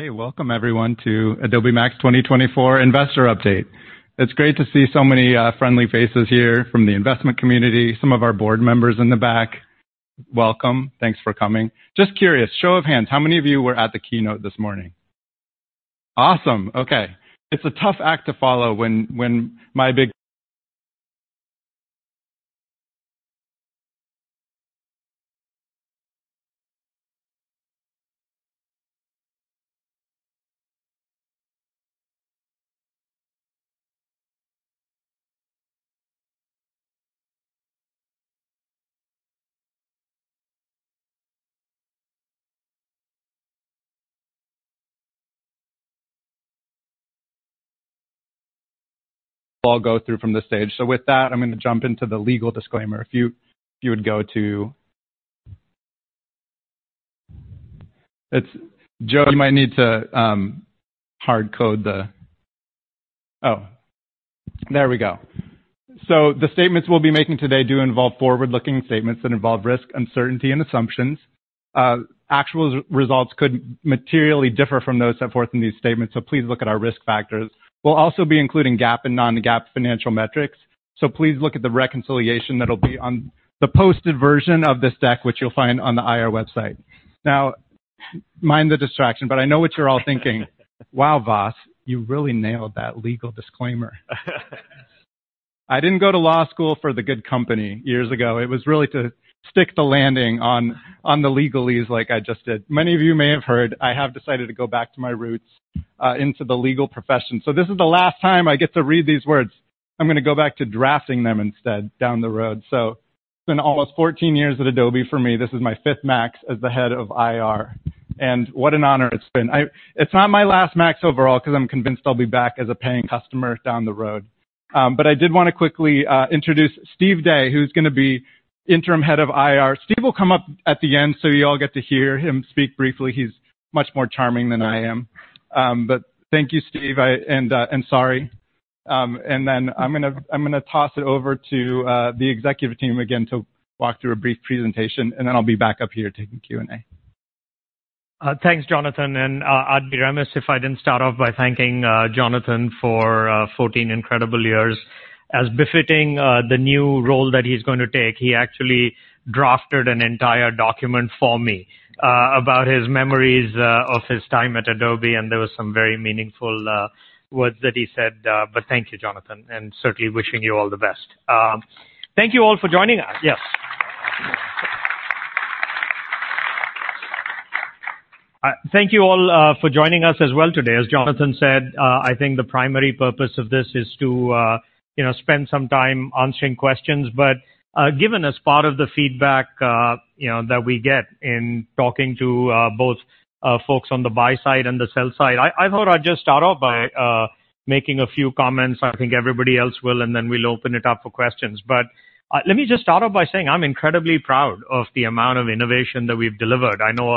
Hey, welcome everyone to Adobe MAX 2024 investor update. It's great to see so many friendly faces here from the investment community. Some of our board members in the back, welcome. Thanks for coming. Just curious, show of hands, how many of you were at the keynote this morning? Awesome. Okay. It's a tough act to follow when I'll go through from the stage. So with that, I'm gonna jump into the legal disclaimer. If you would go to... Joe, you might need to hard code the. Oh, there we go. So the statements we'll be making today do involve forward-looking statements that involve risk, uncertainty, and assumptions. Actual results could materially differ from those set forth in these statements, so please look at our risk factors. We'll also be including GAAP and non-GAAP financial metrics. So please look at the reconciliation that'll be on the posted version of this deck, which you'll find on the IR website. Now, mind the distraction, but I know what you're all thinking: "Wow, Vaas, you really nailed that legal disclaimer." I didn't go to law school for the good company years ago. It was really to stick the landing on the legalese like I just did. Many of you may have heard, I have decided to go back to my roots into the legal profession. So this is the last time I get to read these words. I'm gonna go back to drafting them instead down the road. So it's been almost fourteen years at Adobe for me. This is my fifth MAX as the head of IR, and what an honor it's been. It's not my last MAX overall, 'cause I'm convinced I'll be back as a paying customer down the road, but I did wanna quickly introduce Steve Day, who's gonna be interim head of IR. Steve will come up at the end, so you all get to hear him speak briefly. He's much more charming than I am, but thank you, Steve, I... and sorry, and then I'm gonna toss it over to the executive team again to walk through a brief presentation, and then I'll be back up here taking Q&A. Thanks, Jonathan, and I'd be remiss if I didn't start off by thanking Jonathan for 14 incredible years. As befitting the new role that he's going to take, he actually drafted an entire document for me about his memories of his time at Adobe, and there were some very meaningful words that he said, but thank you, Jonathan, and certainly wishing you all the best. Thank you all for joining us. Yes. Thank you all for joining us as well today. As Jonathan said, I think the primary purpose of this is to you know, spend some time answering questions. But, given as part of the feedback, you know, that we get in talking to, both, folks on the buy side and the sell side, I, I thought I'd just start off by, making a few comments. I think everybody else will, and then we'll open it up for questions. But, let me just start off by saying I'm incredibly proud of the amount of innovation that we've delivered. I know,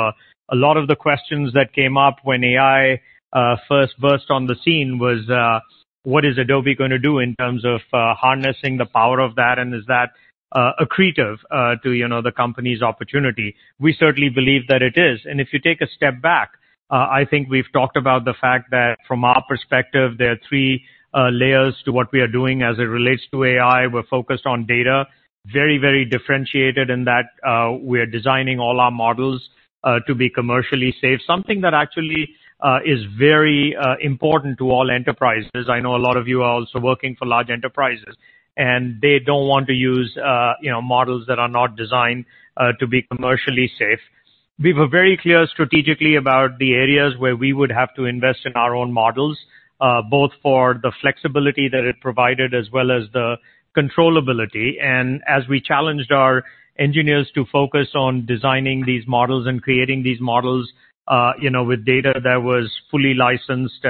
a lot of the questions that came up when AI, first burst on the scene was, what is Adobe gonna do in terms of, harnessing the power of that, and is that, accretive, to, you know, the company's opportunity? We certainly believe that it is. If you take a step back, I think we've talked about the fact that from our perspective, there are three layers to what we are doing as it relates to AI. We're focused on data, very, very differentiated in that, we're designing all our models to be commercially safe. Something that actually is very important to all enterprises. I know a lot of you are also working for large enterprises, and they don't want to use, you know, models that are not designed to be commercially safe. We were very clear strategically about the areas where we would have to invest in our own models, both for the flexibility that it provided as well as the controllability. As we challenged our engineers to focus on designing these models and creating these models, you know, with data that was fully licensed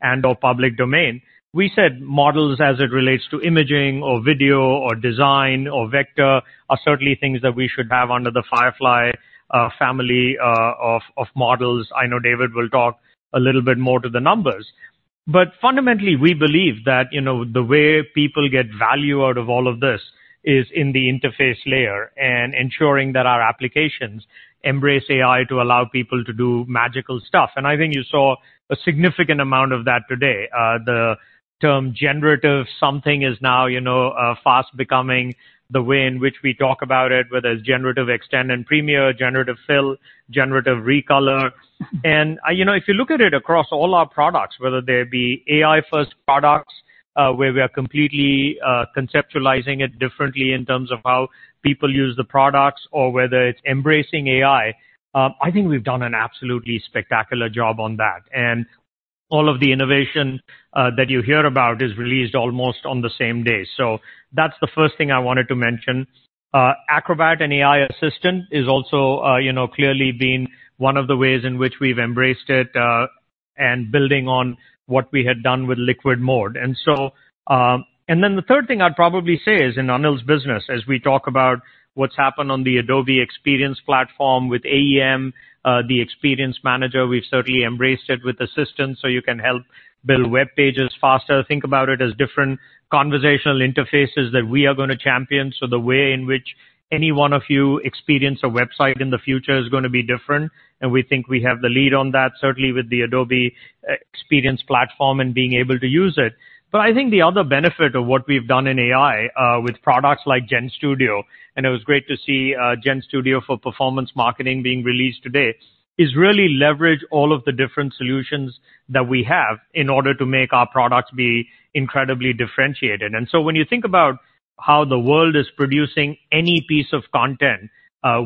and/or public domain. We said models, as it relates to imaging or video or design or vector, are certainly things that we should have under the Firefly family of models. I know David will talk a little bit more to the numbers. Fundamentally, we believe that, you know, the way people get value out of all of this is in the interface layer and ensuring that our applications embrace AI to allow people to do magical stuff. I think you saw a significant amount of that today. The term generative something is now, you know, fast becoming the way in which we talk about it, whether it's Generative Extend in Premiere, Generative Fill, Generative Recolor. And, you know, if you look at it across all our products, whether they be AI-first products, where we are completely conceptualizing it differently in terms of how people use the products or whether it's embracing AI, I think we've done an absolutely spectacular job on that. And all of the innovation that you hear about is released almost on the same day. So that's the first thing I wanted to mention. Acrobat AI Assistant is also, you know, clearly been one of the ways in which we've embraced it and building on what we had done with Liquid Mode. And so, and then the third thing I'd probably say is in Anil's business, as we talk about what's happened on the Adobe Experience Platform with AEM, Adobe Experience Manager, we've certainly embraced it with assistance, so you can help build web pages faster. Think about it as different conversational interfaces that we are going to champion, so the way in which any one of you experience a website in the future is going to be different, and we think we have the lead on that, certainly with the Adobe Experience Platform and being able to use it. But I think the other benefit of what we've done in AI with products like GenStudio, and it was great to see GenStudio for Performance Marketing being released today, is really leverage all of the different solutions that we have in order to make our products be incredibly differentiated. And so when you think about how the world is producing any piece of content,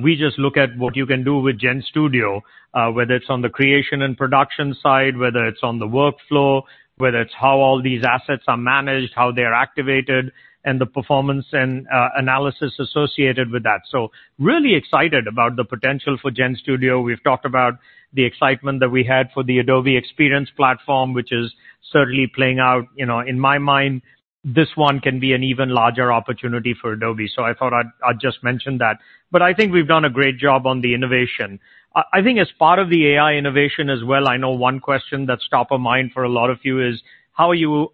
we just look at what you can do with GenStudio, whether it's on the creation and production side, whether it's on the workflow, whether it's how all these assets are managed, how they are activated, and the performance and analysis associated with that. So really excited about the potential for GenStudio. We've talked about the excitement that we had for the Adobe Experience Platform, which is certainly playing out. You know, in my mind, this one can be an even larger opportunity for Adobe, so I thought I'd just mention that. But I think we've done a great job on the innovation. I think as part of the AI innovation as well, I know one question that's top of mind for a lot of you is: How are you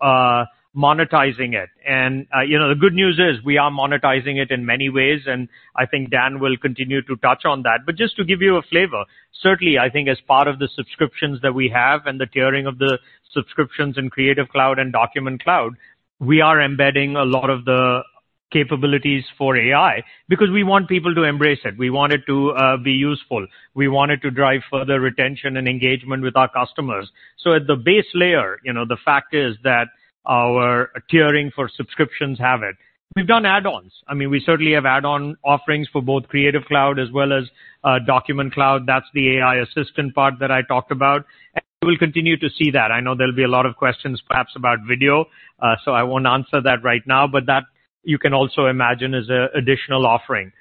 monetizing it? And you know, the good news is, we are monetizing it in many ways, and I think Dan will continue to touch on that. But just to give you a flavor, certainly, I think as part of the subscriptions that we have and the tiering of the subscriptions in Creative Cloud and Document Cloud, we are embedding a lot of the capabilities for AI because we want people to embrace it. We want it to be useful. We want it to drive further retention and engagement with our customers. So at the base layer, you know, the fact is that our tiering for subscriptions have it. We've done add-ons. I mean, we certainly have add-on offerings for both Creative Cloud as well as, Document Cloud. That's the AI assistant part that I talked about, and we'll continue to see that. I know there'll be a lot of questions, perhaps, about video, so I won't answer that right now, but that you can also imagine as a additional offering.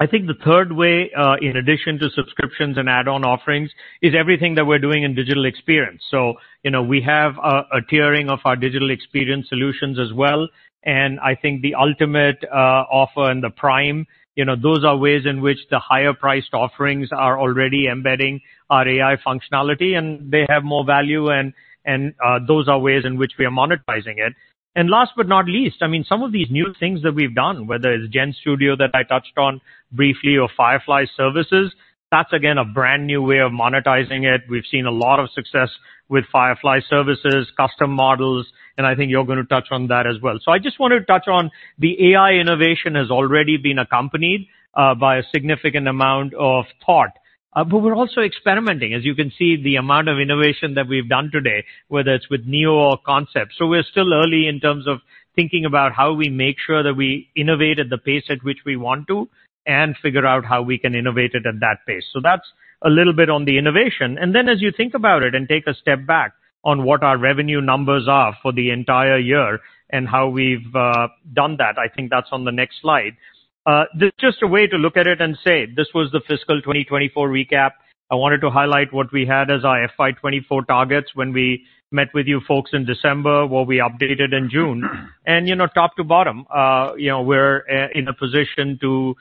I think the third way, in addition to subscriptions and add-on offerings, is everything that we're doing in Digital Experience. You know, we have a tiering of our Digital Experience solutions as well, and I think the Ultimate offer and the Prime, you know, those are ways in which the higher priced offerings are already embedding our AI functionality, and they have more value, and those are ways in which we are monetizing it. Last but not least, I mean, some of these new things that we've done, whether it's GenStudio that I touched on briefly or Firefly Services, that's again a brand new way of monetizing it. We've seen a lot of success with Firefly Services, Custom Models, and I think you're going to touch on that as well. I just wanted to touch on the AI innovation has already been accompanied by a significant amount of thought. But we're also experimenting. As you can see, the amount of innovation that we've done today, whether it's with Neo or Concept. So we're still early in terms of thinking about how we make sure that we innovate at the pace at which we want to, and figure out how we can innovate it at that pace. So that's a little bit on the innovation. And then, as you think about it, and take a step back on what our revenue numbers are for the entire year and how we've done that, I think that's on the next slide. Just a way to look at it and say this was the fiscal twenty twenty-four recap. I wanted to highlight what we had as our FY twenty-four targets when we met with you folks in December, what we updated in June. You know, top to bottom, you know, we're in a position to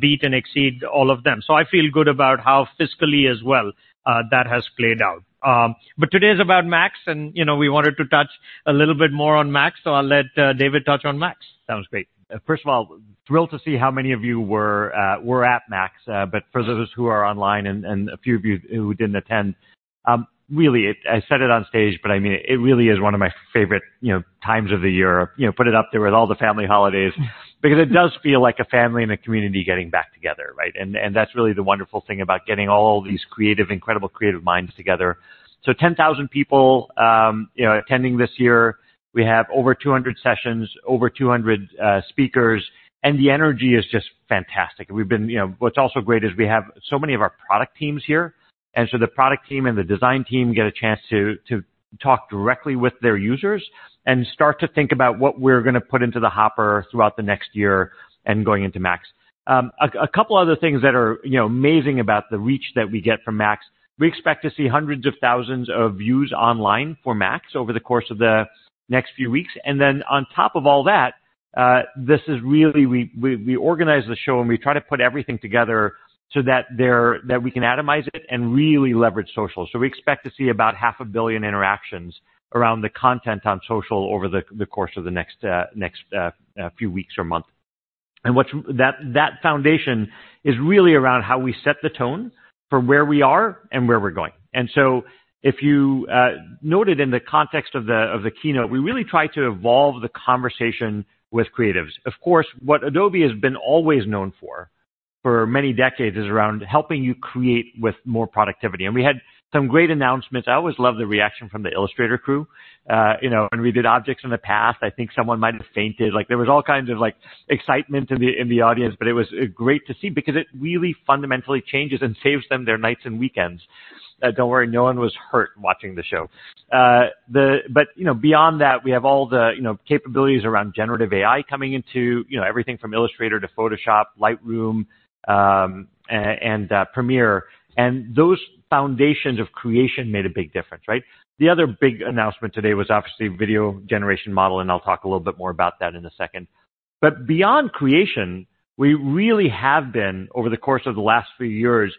beat and exceed all of them. I feel good about how fiscally as well that has played out. Today is about MAX, and, you know, we wanted to touch a little bit more on MAX, so I'll let David touch on MAX. Sounds great. First of all, thrilled to see how many of you were at MAX, but for those who are online and a few of you who didn't attend, really, I said it on stage, but I mean it, it really is one of my favorite, you know, times of the year. You know, put it up there with all the family holidays, because it does feel like a family and a community getting back together, right? And that's really the wonderful thing about getting all these creative, incredible creative minds together, so 10,000 people, you know, attending this year. We have over 200 sessions, over 200 speakers, and the energy is just fantastic. We've been... You know, what's also great is we have so many of our product teams here, and so the product team and the design team get a chance to talk directly with their users and start to think about what we're going to put into the hopper throughout the next year and going into MAX. A couple other things that are, you know, amazing about the reach that we get from MAX, we expect to see hundreds of thousands of views online for MAX over the course of the next few weeks. And then on top of all that, this is really. We organize the show, and we try to put everything together so that we can atomize it and really leverage social. We expect to see about 500 million interactions around the content on social over the course of the next few weeks or month. And what's that foundation is really around how we set the tone for where we are and where we're going. And so if you noted in the context of the keynote, we really try to evolve the conversation with creatives. Of course, what Adobe has been always known for, for many decades, is around helping you create with more productivity. And we had some great announcements. I always love the reaction from the Illustrator crew. You know, when we did Objects on Path, I think someone might have fainted. Like, there was all kinds of, like, excitement in the, in the audience, but it was great to see because it really fundamentally changes and saves them their nights and weekends. Don't worry, no one was hurt watching the show, but, you know, beyond that, we have all the, you know, capabilities around generative AI coming into, you know, everything from Illustrator to Photoshop, Lightroom, and Premiere. And those foundations of creation made a big difference, right? The other big announcement today was obviously video generation model, and I'll talk a little bit more about that in a second, but beyond creation, we really have been, over the course of the last few years,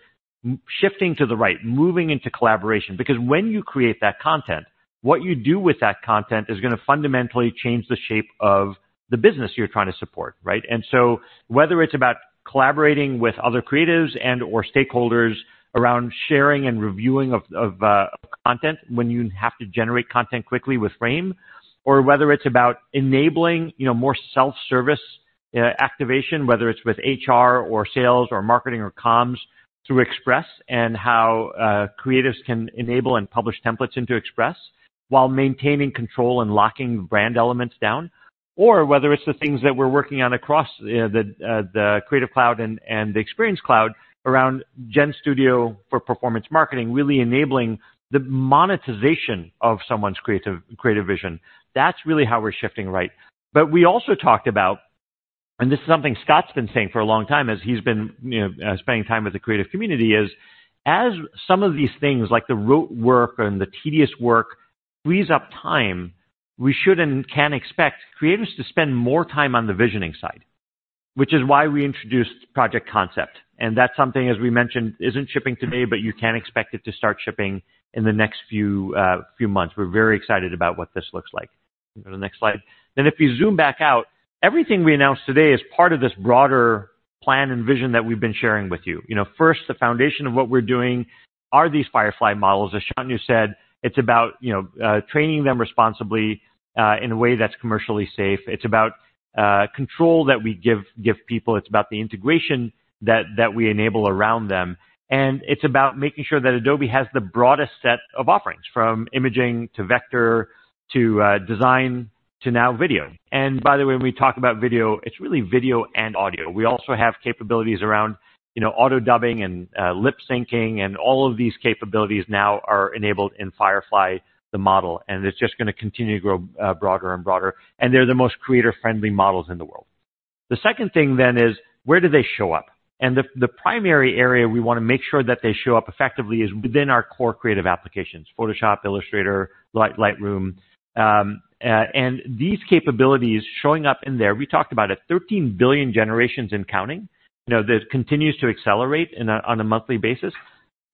shifting to the right, moving into collaboration. Because when you create that content, what you do with that content is going to fundamentally change the shape of the business you're trying to support, right? And so whether it's about collaborating with other creatives and/or stakeholders around sharing and reviewing of content, when you have to generate content quickly with Frame.io, or whether it's about enabling, you know, more self-service activation, whether it's with HR or sales or marketing or comms through Express, and how creatives can enable and publish templates into Express while maintaining control and locking brand elements down. Or whether it's the things that we're working on across the Creative Cloud and the Experience Cloud around GenStudio for Performance Marketing, really enabling the monetization of someone's creative vision. That's really how we're shifting right. But we also talked about, and this is something Scott's been saying for a long time, as he's been, you know, spending time with the creative community, is as some of these things, like the rote work and the tedious work, frees up time, we should and can expect creatives to spend more time on the visioning side, which is why we introduced Project Concept. And that's something, as we mentioned, isn't shipping today, but you can expect it to start shipping in the next few months. We're very excited about what this looks like. Go to the next slide. Then if you zoom back out, everything we announced today is part of this broader plan and vision that we've been sharing with you. You know, first, the foundation of what we're doing are these Firefly models. As Shantanu said, it's about, you know, training them responsibly, in a way that's commercially safe. It's about, control that we give people. It's about the integration that we enable around them, and it's about making sure that Adobe has the broadest set of offerings, from imaging to vector to, design to now video. and by the way, when we talk about video, it's really video and audio. We also have capabilities around, you know, auto-dubbing and, lip syncing, and all of these capabilities now are enabled in Firefly, the model, and it's just going to continue to grow, broader and broader, and they're the most creator-friendly models in the world. The second thing then is: where do they show up? The primary area we want to make sure that they show up effectively is within our core creative applications, Photoshop, Illustrator, Lightroom. And these capabilities showing up in there, we talked about it, 13 billion generations and counting, you know, that continues to accelerate on a monthly basis.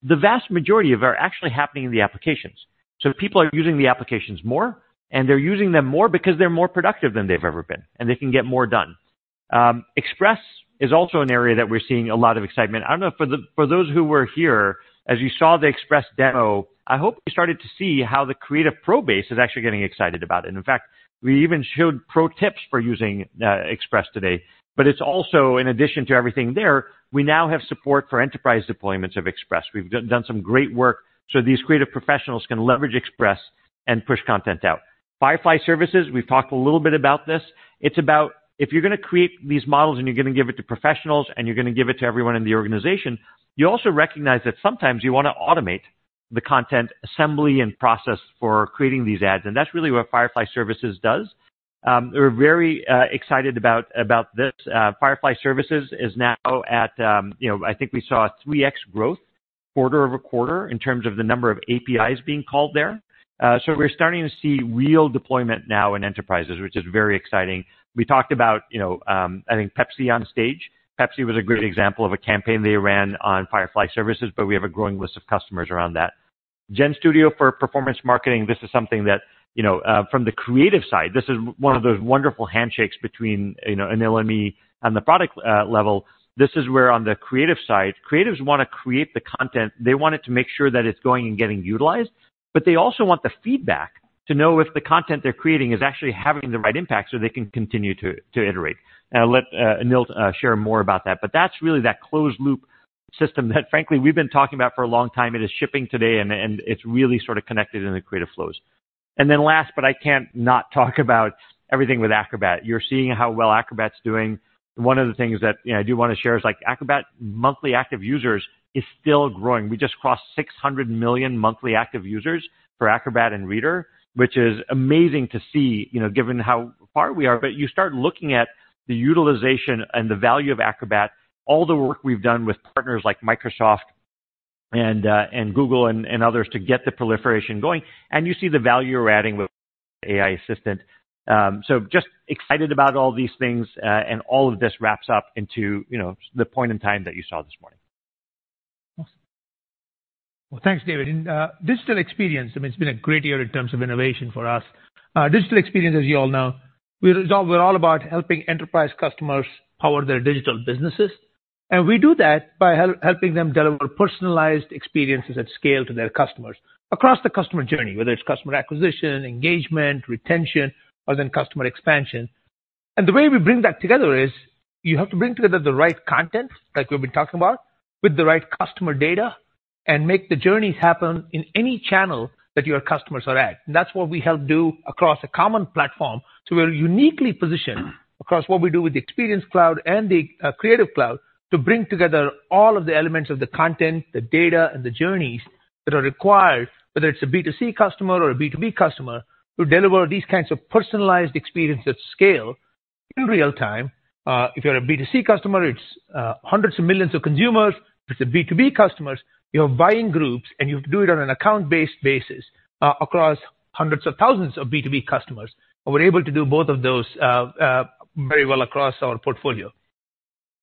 The vast majority of are actually happening in the applications. So people are using the applications more, and they're using them more because they're more productive than they've ever been, and they can get more done. Express is also an area that we're seeing a lot of excitement. For those who were here, as you saw the Express demo, I hope you started to see how the creative pro base is actually getting excited about it. In fact, we even showed pro tips for using Express today. But it's also, in addition to everything there, we now have support for enterprise deployments of Express. We've done some great work so these creative professionals can leverage Express and push content out. Firefly Services, we've talked a little bit about this. It's about if you're going to create these models, and you're going to give it to professionals, and you're going to give it to everyone in the organization, you also recognize that sometimes you want to automate the content assembly and process for creating these ads, and that's really what Firefly Services does. We're very excited about this. Firefly Services is now at, you know, I think we saw a 3x growth, quarter over quarter, in terms of the number of APIs being called there. So we're starting to see real deployment now in enterprises, which is very exciting. We talked about, you know, I think Pepsi on stage. Pepsi was a great example of a campaign they ran on Firefly Services, but we have a growing list of customers around that. GenStudio for Performance Marketing, this is something that, you know, from the creative side, this is one of those wonderful handshakes between, you know, Anil and me on the product level. This is where on the creative side, creatives want to create the content. They want it to make sure that it's going and getting utilized, but they also want the feedback to know if the content they're creating is actually having the right impact so they can continue to iterate. I'll let Anil share more about that, but that's really that closed-loop system that frankly, we've been talking about for a long time. It is shipping today, and it's really sort of connected in the creative flows. And then last, but I can't not talk about everything with Acrobat. You're seeing how well Acrobat's doing. One of the things that, you know, I do want to share is, like, Acrobat monthly active users is still growing. We just crossed 600 million monthly active users for Acrobat and Reader, which is amazing to see, you know, given how far we are. But you start looking at the utilization and the value of Acrobat, all the work we've done with partners like Microsoft and Google and others to get the proliferation going, and you see the value we're adding with AI Assistant. So just excited about all these things, and all of this wraps up into, you know, the point in time that you saw this morning. Thanks, David. And Digital Experience, I mean, it's been a great year in terms of innovation for us. Digital Experience, as you all know, we're all about helping enterprise customers power their digital businesses, and we do that by helping them deliver personalized experiences at scale to their customers across the customer journey, whether it's customer acquisition, engagement, retention, or then customer expansion. And the way we bring that together is, you have to bring together the right content, like we've been talking about, with the right customer data, and make the journeys happen in any channel that your customers are at. And that's what we help do across a common platform. So we're uniquely positioned across what we do with the Experience Cloud and the Creative Cloud, to bring together all of the elements of the content, the data, and the journeys that are required, whether it's a B2C customer or a B2B customer, to deliver these kinds of personalized experiences at scale in real time. If you're a B2C customer, it's hundreds of millions of consumers. If it's a B2B customers, you have buying groups, and you have to do it on an account-based basis, across hundreds of thousands of B2B customers. And we're able to do both of those very well across our portfolio.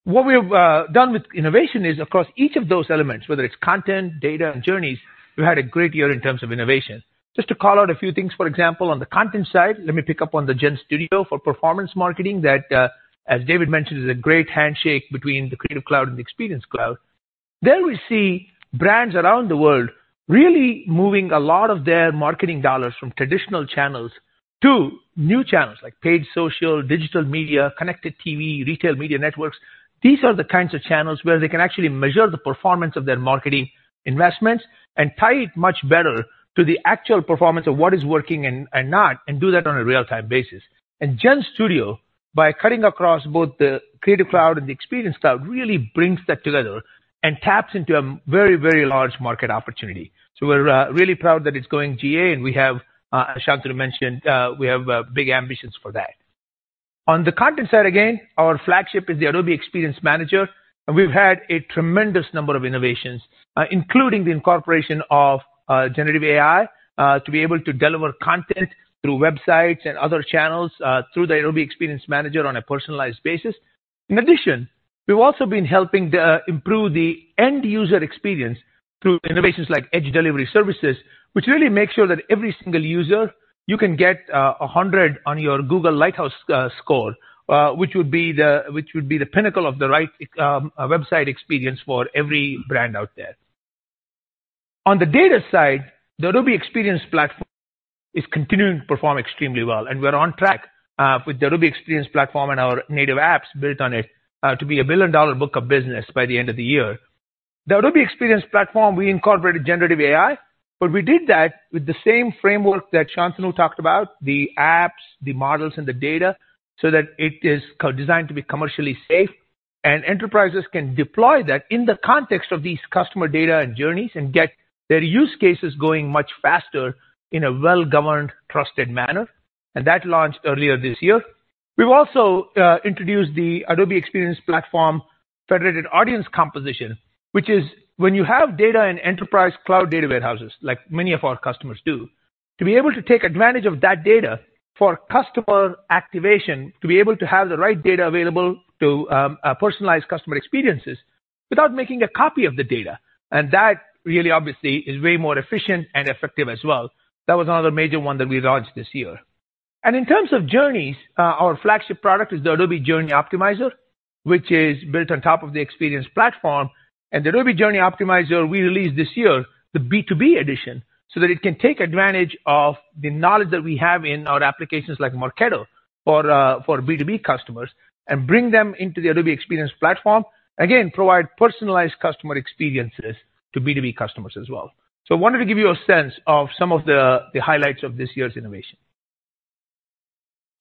What we have done with innovation is, across each of those elements, whether it's content, data, and journeys, we've had a great year in terms of innovation. Just to call out a few things, for example, on the content side, let me pick up on the GenStudio for Performance Marketing that, as David mentioned, is a great handshake between the Creative Cloud and the Experience Cloud. There we see brands around the world really moving a lot of their marketing dollars from traditional channels to new channels, like paid social, digital media, connected TV, retail media networks. These are the kinds of channels where they can actually measure the performance of their marketing investments and tie it much better to the actual performance of what is working and not, and do that on a real-time basis. And GenStudio, by cutting across both the Creative Cloud and the Experience Cloud, really brings that together and taps into a very, very large market opportunity. We're really proud that it's going GA, and as Shantanu mentioned, we have big ambitions for that. On the content side, again, our flagship is the Adobe Experience Manager, and we've had a tremendous number of innovations, including the incorporation of generative AI to be able to deliver content through websites and other channels through the Adobe Experience Manager on a personalized basis. In addition, we've also been helping to improve the end-user experience through innovations like Edge Delivery Services, which really makes sure that every single user you can get 100 on your Google Lighthouse score, which would be the pinnacle of the right website experience for every brand out there. On the data side, the Adobe Experience Platform is continuing to perform extremely well, and we're on track with the Adobe Experience Platform and our native apps built on it to be a billion-dollar book of business by the end of the year. The Adobe Experience Platform, we incorporated generative AI, but we did that with the same framework that Shantanu talked about, the apps, the models, and the data, so that it is co-designed to be commercially safe, and enterprises can deploy that in the context of these customer data and journeys and get their use cases going much faster in a well-governed, trusted manner, and that launched earlier this year. We've also introduced the Adobe Experience Platform Federated Audience Composition, which is when you have data in enterprise cloud data warehouses, like many of our customers do, to be able to take advantage of that data for customer activation, to be able to have the right data available to personalize customer experiences without making a copy of the data. And that really, obviously, is way more efficient and effective as well. That was another major one that we launched this year. And in terms of journeys, our flagship product is the Adobe Journey Optimizer, which is built on top of the Experience Platform. And the Adobe Journey Optimizer, we released this year, the B2B Edition, so that it can take advantage of the knowledge that we have in our applications like Marketo for B2B customers, and bring them into the Adobe Experience Platform. Again, provide personalized customer experiences to B2B customers as well. So I wanted to give you a sense of some of the highlights of this year's innovation.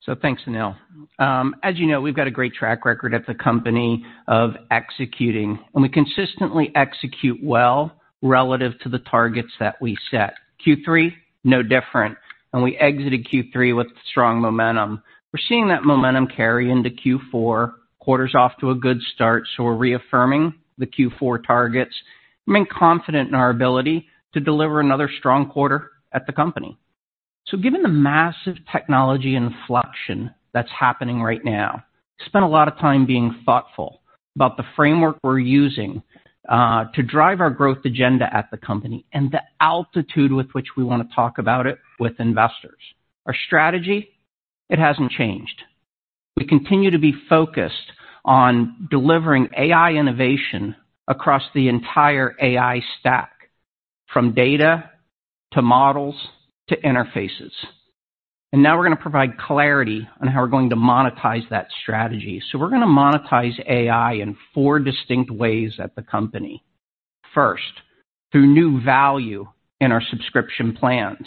So thanks, Anil. As you know, we've got a great track record at the company of executing, and we consistently execute well relative to the targets that we set. Q3, no different, and we exited Q3 with strong momentum. We're seeing that momentum carry into Q4. Quarter's off to a good start, so we're reaffirming the Q4 targets, remain confident in our ability to deliver another strong quarter at the company. So given the massive technology inflection that's happening right now, spent a lot of time being thoughtful about the framework we're using to drive our growth agenda at the company and the altitude with which we want to talk about it with investors. Our strategy, it hasn't changed. We continue to be focused on delivering AI innovation across the entire AI stack, from data, to models, to interfaces. And now we're going to provide clarity on how we're going to monetize that strategy. So we're going to monetize AI in four distinct ways at the company. First, through new value in our subscription plans.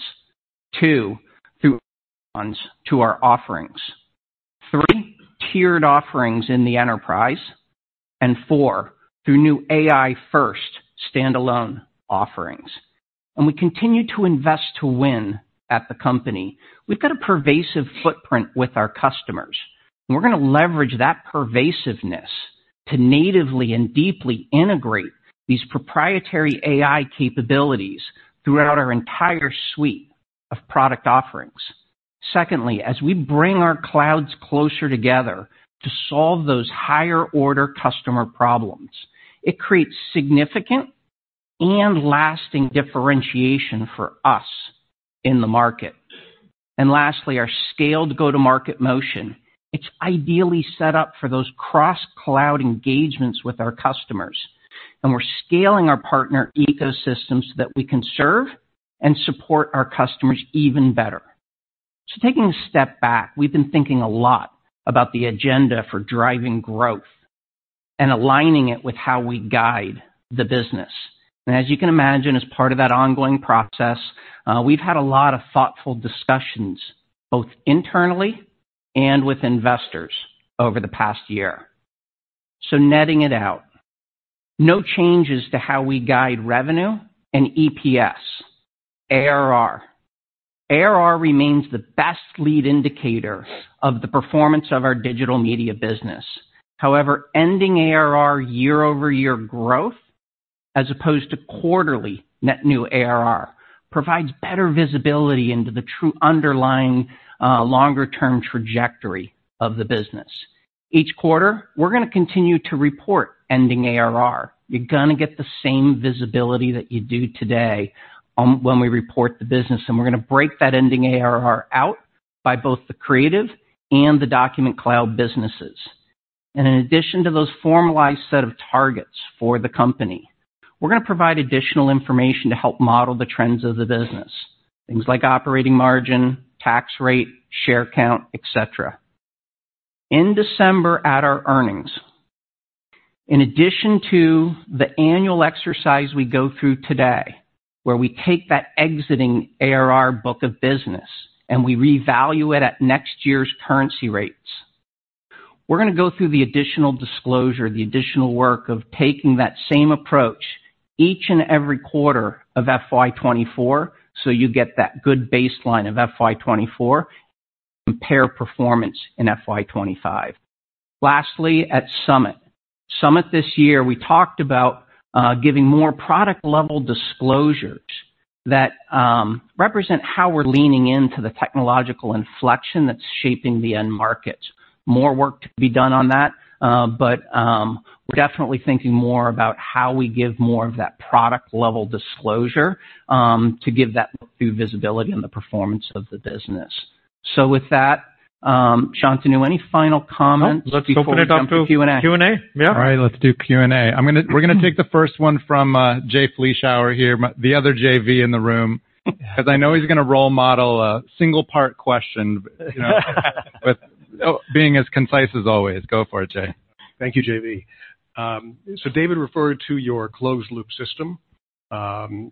Two, through add-ons to our offerings. Three, tiered offerings in the enterprise. And four, through new AI-first standalone offerings. And we continue to invest to win at the company. We've got a pervasive footprint with our customers, and we're going to leverage that pervasiveness to natively and deeply integrate these proprietary AI capabilities throughout our entire suite of product offerings. Secondly, as we bring our clouds closer together to solve those higher-order customer problems, it creates significant and lasting differentiation for us in the market. And lastly, our scaled go-to-market motion; it's ideally set up for those cross-cloud engagements with our customers. And we're scaling our partner ecosystems so that we can serve and support our customers even better. So taking a step back, we've been thinking a lot about the agenda for driving growth and aligning it with how we guide the business. And as you can imagine, as part of that ongoing process, we've had a lot of thoughtful discussions, both internally and with investors over the past year. So netting it out, no changes to how we guide revenue and EPS. ARR. ARR remains the best lead indicator of the performance of our Digital Media business. However, ending ARR year-over-year growth, as opposed to quarterly net new ARR, provides better visibility into the true underlying, longer term trajectory of the business. Each quarter, we're gonna continue to report ending ARR. You're gonna get the same visibility that you do today on, when we report the business, and we're gonna break that ending ARR out by both the creative and the Document Cloud businesses. And in addition to those formalized set of targets for the company, we're gonna provide additional information to help model the trends of the business. Things like operating margin, tax rate, share count, et cetera. In December, at our earnings, in addition to the annual exercise we go through today, where we take that ending ARR book of business and we revalue it at next year's currency rates, we're gonna go through the additional disclosure, the additional work of taking that same approach each and every quarter of FY 2024, so you get that good baseline of FY 2024, compare performance in FY 2025. Lastly, at Summit. Summit this year, we talked about giving more product-level disclosures that represent how we're leaning into the technological inflection that's shaping the end market. More work to be done on that, but we're definitely thinking more about how we give more of that product-level disclosure to give that view visibility on the performance of the business. So with that, Shantanu, any final comments before we jump to Q&A? Q&A? Yeah. All right, let's do Q&A. I'm gonna, we're gonna take the first one from Jay Vleeschhouwer here, my, the other JV in the room, because I know he's gonna role model a single part question, you know, but, oh, being as concise as always. Go for it, Jay. Thank you, JV. So David referred to your closed-loop system,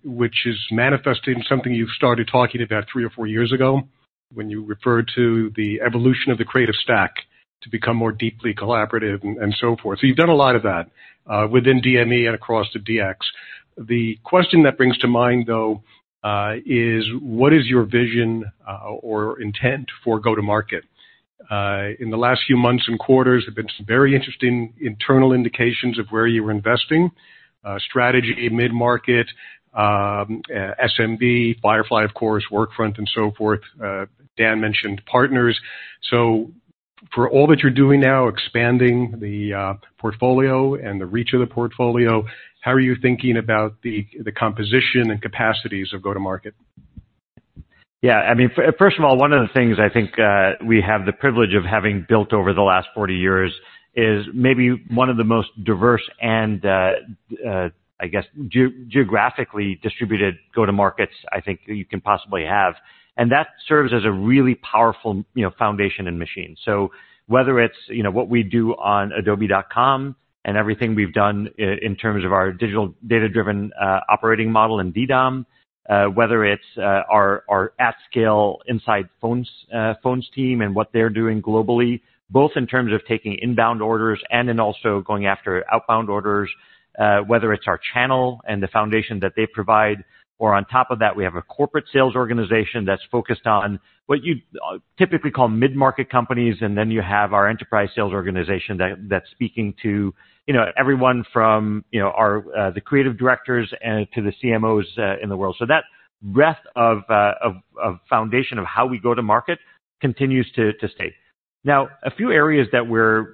which is manifesting something you started talking about three or four years ago, when you referred to the evolution of the creative stack to become more deeply collaborative and so forth. So you've done a lot of that within DME and across the DX. The question that brings to mind, though, is: What is your vision or intent for go-to-market? In the last few months and quarters, there've been some very interesting internal indications of where you're investing strategy, mid-market, SMB, Firefly, of course, Workfront and so forth. Dan mentioned partners. So for all that you're doing now, expanding the portfolio and the reach of the portfolio, how are you thinking about the composition and capacities of go-to-market? Yeah, I mean, first of all, one of the things I think we have the privilege of having built over the last forty years is maybe one of the most diverse and, I guess, geographically distributed go-to-markets I think you can possibly have, and that serves as a really powerful, you know, foundation and machine. So whether it's, you know, what we do on Adobe.com and everything we've done in terms of our digital Data-Driven Operating Model in DDOM, whether it's our at-scale inside sales team and what they're doing globally, both in terms of taking inbound orders and also going after outbound orders, whether it's our channel and the foundation that they provide, or on top of that, we have a corporate sales organization that's focused on what you typically call mid-market companies, and then you have our enterprise sales organization that's speaking to, you know, everyone from, you know, the creative directors and to the CMOs in the world. So that breadth of foundation of how we go to market continues to stay. Now, a few areas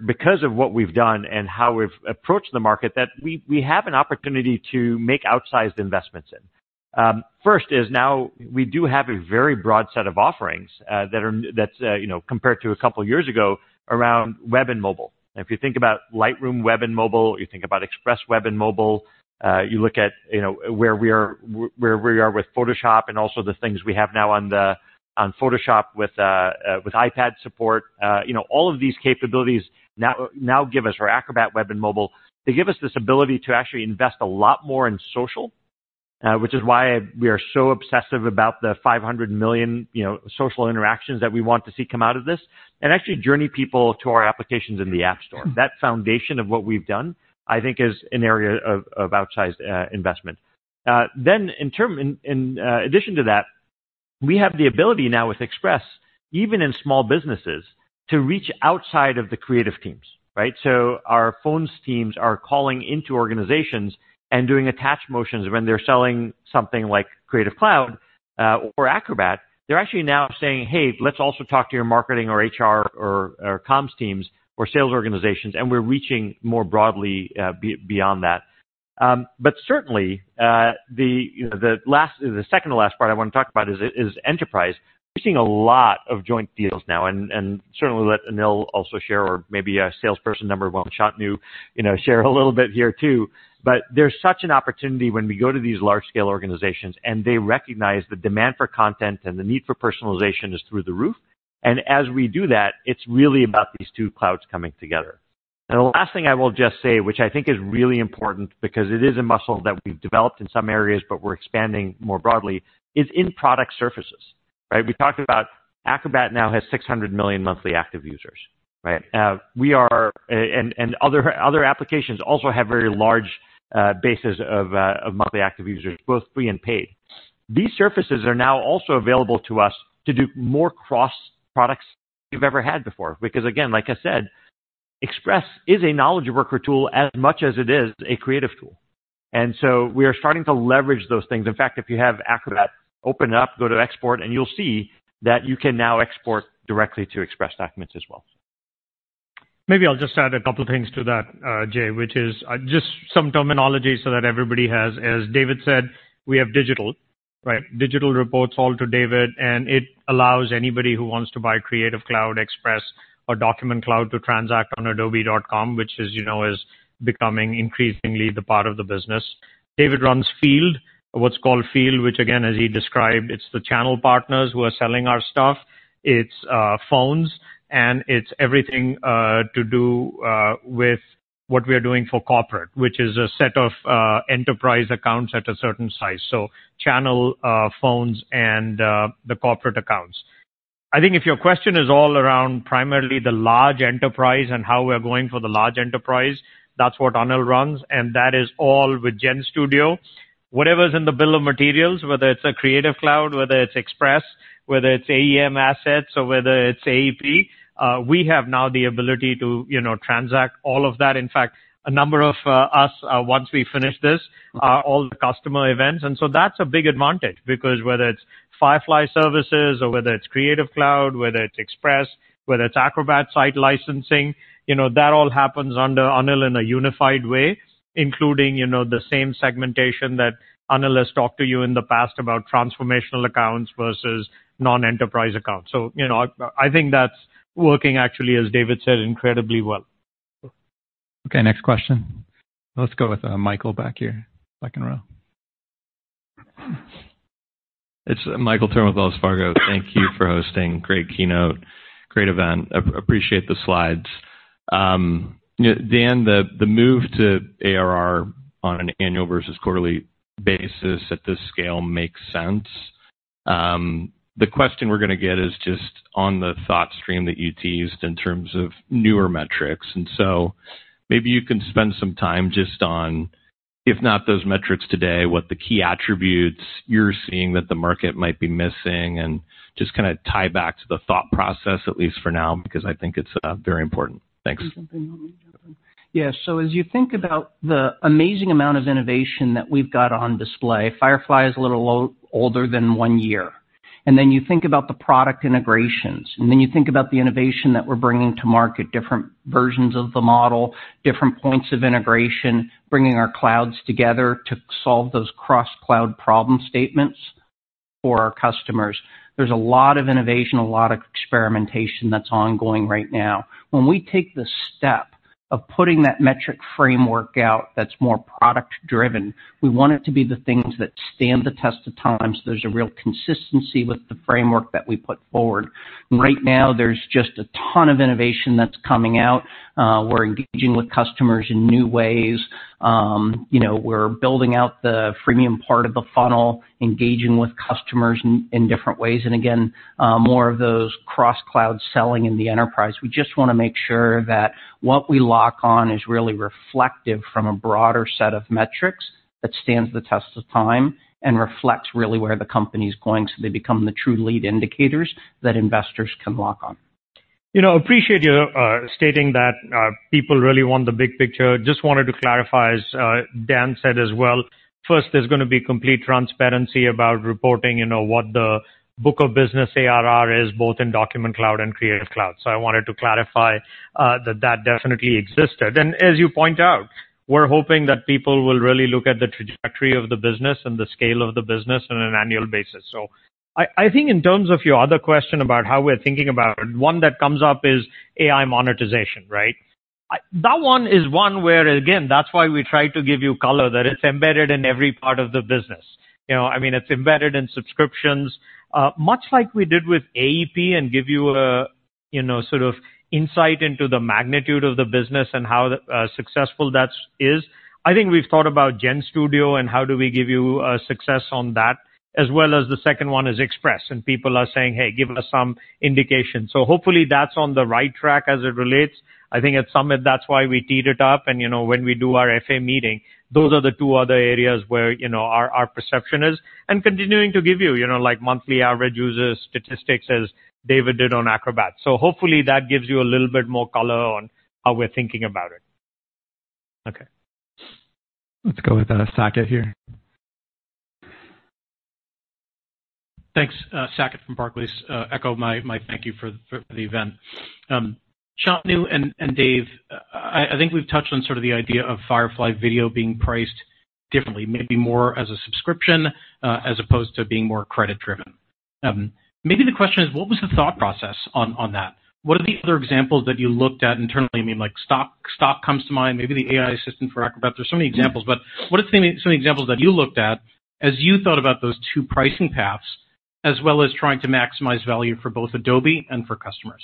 because of what we've done and how we've approached the market, that we have an opportunity to make outsized investments in. First is now we do have a very broad set of offerings that are. That's, you know, compared to a couple years ago, around web and mobile. If you think about Lightroom web and mobile, you think about Express web and mobile, you look at, you know, where we are with Photoshop and also the things we have now on Photoshop with iPad support. You know, all of these capabilities now give us or Acrobat web and mobile, they give us this ability to actually invest a lot more in social, which is why we are so obsessive about the 500 million, you know, social interactions that we want to see come out of this, and actually journey people to our applications in the App Store. That foundation of what we've done, I think, is an area of outsized investment. Then in addition to that, we have the ability now with Express, even in small businesses, to reach outside of the creative teams, right? So our phone teams are calling into organizations and doing attach motions when they're selling something like Creative Cloud, or Acrobat. They're actually now saying: "Hey, let's also talk to your marketing or HR or comms teams or sales organizations," and we're reaching more broadly, beyond that, but certainly, you know, the second to last part I want to talk about is enterprise. We're seeing a lot of joint deals now, and certainly we'll let Anil also share, or maybe a salesperson number one, Shantanu, you know, share a little bit here, too, but there's such an opportunity when we go to these large-scale organizations, and they recognize the demand for content and the need for personalization is through the roof, and as we do that, it's really about these two clouds coming together. And the last thing I will just say, which I think is really important because it is a muscle that we've developed in some areas, but we're expanding more broadly, is in product surfaces, right? We talked about Acrobat now has 600 million monthly active users, right? We are, and other applications also have very large bases of monthly active users, both free and paid. These surfaces are now also available to us to do more cross products we've ever had before. Because, again, like I said, Express is a knowledge worker tool as much as it is a creative tool. And so we are starting to leverage those things. In fact, if you have Acrobat, open it up, go to export, and you'll see that you can now export directly to Express documents as well. Maybe I'll just add a couple things to that, Jay, which is, just some terminology so that everybody has... As David said, we have digital, right? Digital reports all to David, and it allows anybody who wants to buy Creative Cloud, Express, or Document Cloud to transact on Adobe.com, which is, you know, is becoming increasingly the part of the business. David runs Field, what's called Field, which again, as he described, it's the channel partners who are selling our stuff. It's, phones, and it's everything, to do, with what we are doing for corporate, which is a set of, enterprise accounts at a certain size. So channel, phones and, the corporate accounts. I think if your question is all around primarily the large enterprise and how we're going for the large enterprise, that's what Anil runs, and that is all with GenStudio. Whatever's in the bill of materials, whether it's a Creative Cloud, whether it's Express, whether it's AEM Assets, or whether it's AEP, we have now the ability to, you know, transact all of that. In fact, a number of us, once we finish this, are all the customer events, and so that's a big advantage because whether it's Firefly Services or whether it's Creative Cloud, whether it's Express, whether it's Acrobat site licensing, you know, that all happens under Anil in a unified way, including, you know, the same segmentation that Anil has talked to you in the past about transformational accounts versus non-enterprise accounts. So, you know, I think that's working actually, as David said, incredibly well. Okay, next question. Let's go with, Michael, back here, second row. It's Michael Turrin, Wells Fargo. Thank you for hosting. Great keynote, great event. Appreciate the slides. Dan, the move to ARR on an annual versus quarterly basis at this scale makes sense. The question we're going to get is just on the thought stream that you teased in terms of newer metrics, and so maybe you can spend some time just on, if not those metrics today, what the key attributes you're seeing that the market might be missing, and just kind of tie back to the thought process, at least for now, because I think it's very important. Thanks. Yeah. So as you think about the amazing amount of innovation that we've got on display, Firefly is a little older than one year. And then you think about the product integrations, and then you think about the innovation that we're bringing to market, different versions of the model, different points of integration, bringing our clouds together to solve those cross-cloud problem statements for our customers. There's a lot of innovation, a lot of experimentation that's ongoing right now. When we take the step of putting that metric framework out, that's more product driven. We want it to be the things that stand the test of time, so there's a real consistency with the framework that we put forward. Right now, there's just a ton of innovation that's coming out. We're engaging with customers in new ways. You know, we're building out the freemium part of the funnel, engaging with customers in different ways, and again, more of those cross-cloud selling in the enterprise. We just want to make sure that what we lock on is really reflective from a broader set of metrics that stands the test of time and reflects really where the company's going, so they become the true lead indicators that investors can lock on. You know, I appreciate you stating that people really want the big picture. Just wanted to clarify, as Dan said as well. First, there's going to be complete transparency about reporting, you know, what the book of business ARR is, both in Document Cloud and Creative Cloud. So I wanted to clarify that that definitely existed. And as you point out, we're hoping that people will really look at the trajectory of the business and the scale of the business on an annual basis. So I think in terms of your other question about how we're thinking about it, one that comes up is AI monetization, right? That one is one where, again, that's why we try to give you color, that it's embedded in every part of the business. You know, I mean, it's embedded in subscriptions. Much like we did with AEP and give you a, you know, sort of insight into the magnitude of the business and how successful that is, I think we've thought about GenStudio and how do we give you success on that, as well as the second one is Express, and people are saying, "Hey, give us some indication." Hopefully, that's on the right track as it relates. I think at Summit, that's why we teed it up, and, you know, when we do our FA meeting, those are the two other areas where, you know, our perception is, and continuing to give you, you know, like, monthly average user statistics, as David did on Acrobat. Hopefully, that gives you a little bit more color on how we're thinking about it. Okay. Let's go with Saket here. ... Thanks, Saket from Barclays. Echo my thank you for the event. Shantanu and Dave, I think we've touched on sort of the idea of Firefly Video being priced differently, maybe more as a subscription, as opposed to being more credit-driven. Maybe the question is, what was the thought process on that? What are the other examples that you looked at internally? I mean, like stock comes to mind, maybe the AI assistant for Acrobat. There's so many examples, but what are some of the examples that you looked at as you thought about those two pricing paths, as well as trying to maximize value for both Adobe and for customers?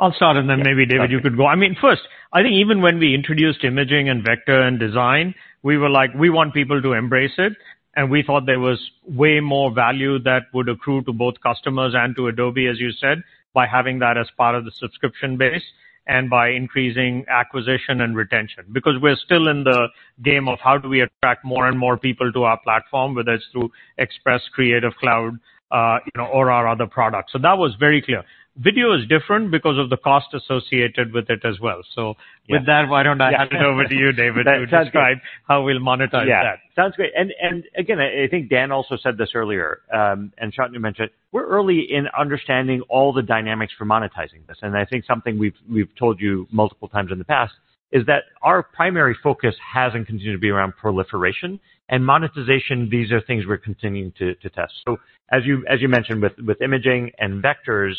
I'll start, and then maybe, David, you could go. I mean, first, I think even when we introduced imaging and vector and design, we were like, we want people to embrace it, and we thought there was way more value that would accrue to both customers and to Adobe, as you said, by having that as part of the subscription base and by increasing acquisition and retention. Because we're still in the game of how do we attract more and more people to our platform, whether it's through Express, Creative Cloud, you know, or our other products. So that was very clear. Video is different because of the cost associated with it as well. So with that, why don't I hand it over to you, David, to describe how we'll monetize that? Yeah. Sounds great. And, and again, I, I think Dan also said this earlier, and Shantanu mentioned, we're early in understanding all the dynamics for monetizing this. And I think something we've, we've told you multiple times in the past is that our primary focus has and continues to be around proliferation and monetization. These are things we're continuing to, to test. So as you, as you mentioned, with, with imaging and vectors,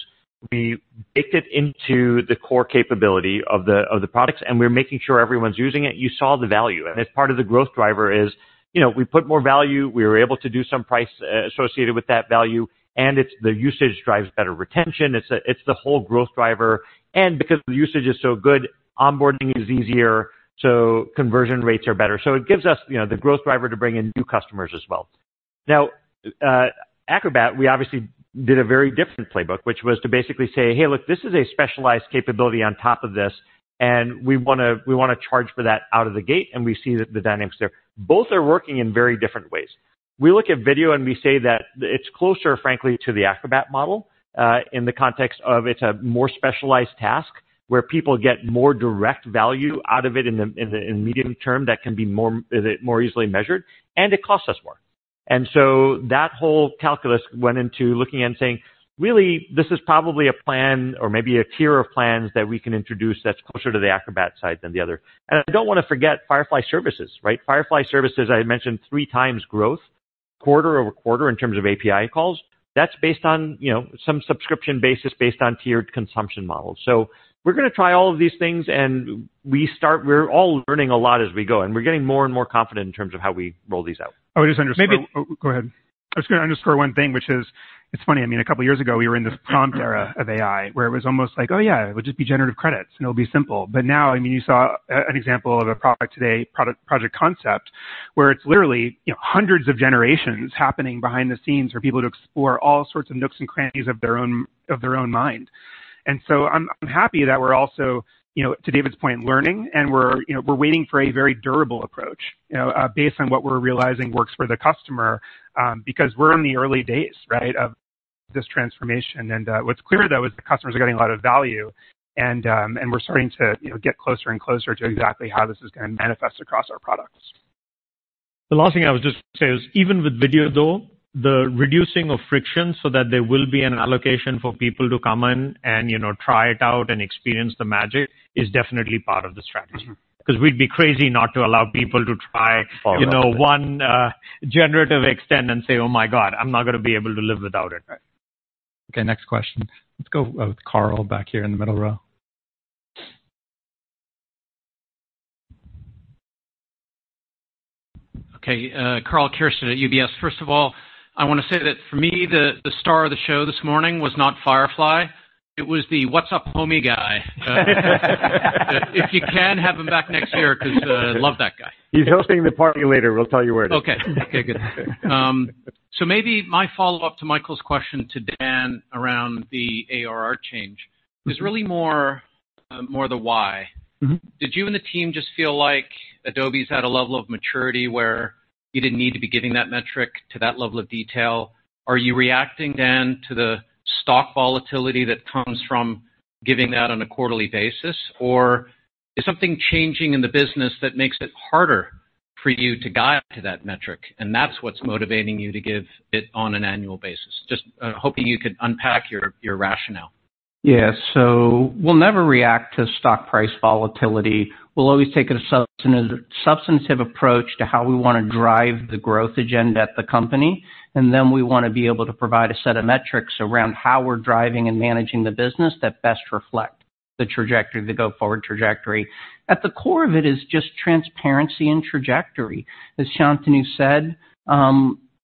we baked it into the core capability of the, of the products, and we're making sure everyone's using it. You saw the value, and as part of the growth driver is, you know, we put more value, we were able to do some price associated with that value, and it's the usage drives better retention. It's the, it's the whole growth driver. And because the usage is so good, onboarding is easier, so conversion rates are better. So it gives us, you know, the growth driver to bring in new customers as well. Now, Acrobat, we obviously did a very different playbook, which was to basically say, "Hey, look, this is a specialized capability on top of this, and we wanna charge for that out of the gate, and we see the dynamics there." Both are working in very different ways. We look at video, and we say that it's closer, frankly, to the Acrobat model, in the context of it's a more specialized task, where people get more direct value out of it in the medium term that can be more easily measured, and it costs us more. And so that whole calculus went into looking and saying, "Really, this is probably a plan or maybe a tier of plans that we can introduce that's closer to the Acrobat side than the other." And I don't want to forget Firefly Services, right? Firefly Services, I mentioned three times growth, quarter over quarter, in terms of API calls. That's based on, you know, some subscription basis based on tiered consumption models. So we're gonna try all of these things, and we start. We're all learning a lot as we go, and we're getting more and more confident in terms of how we roll these out. I would just under- Maybe- Oh, go ahead. I was gonna underscore one thing, which is it's funny, I mean, a couple of years ago, we were in this prompt era of AI, where it was almost like, oh, yeah, it would just be generative credits, and it'll be simple. But now, I mean, you saw an example of a product today, Project Concept, where it's literally, you know, hundreds of generations happening behind the scenes for people to explore all sorts of nooks and crannies of their own mind. And so I'm happy that we're also, you know, to David's point, learning, and we're waiting for a very durable approach, you know, based on what we're realizing works for the customer, because we're in the early days, right, of this transformation. What's clear, though, is the customers are getting a lot of value, and we're starting to, you know, get closer and closer to exactly how this is gonna manifest across our products. The last thing I would just say is, even with video, though, the reducing of friction so that there will be an allocation for people to come in and, you know, try it out and experience the magic is definitely part of the strategy. 'Cause we'd be crazy not to allow people to try, you know, one, Generative Extend and say, "Oh, my God, I'm not gonna be able to live without it right? Okay, next question. Let's go with Karl back here in the middle row. Okay, Karl Keirstead at UBS. First of all, I want to say that for me, the star of the show this morning was not Firefly, it was the what's up, homie guy. If you can, have him back next year, 'cause, love that guy. He's hosting the party later. We'll tell you where it is. Okay. Okay, good, so maybe my follow-up to Michael's question to Dan around the ARR change is really more the why. Mm-hmm. Did you and the team just feel like Adobe's at a level of maturity where you didn't need to be giving that metric to that level of detail? Are you reacting then to the Stock volatility that comes from giving that on a quarterly basis, or is something changing in the business that makes it harder for you to guide to that metric, and that's what's motivating you to give it on an annual basis? Just hoping you could unpack your rationale. Yeah. So we'll never react to Stock price volatility. We'll always take a substantive approach to how we wanna drive the growth agenda at the company, and then we wanna be able to provide a set of metrics around how we're driving and managing the business that best reflect the trajectory, the go-forward trajectory. At the core of it is just transparency and trajectory. As Shantanu said,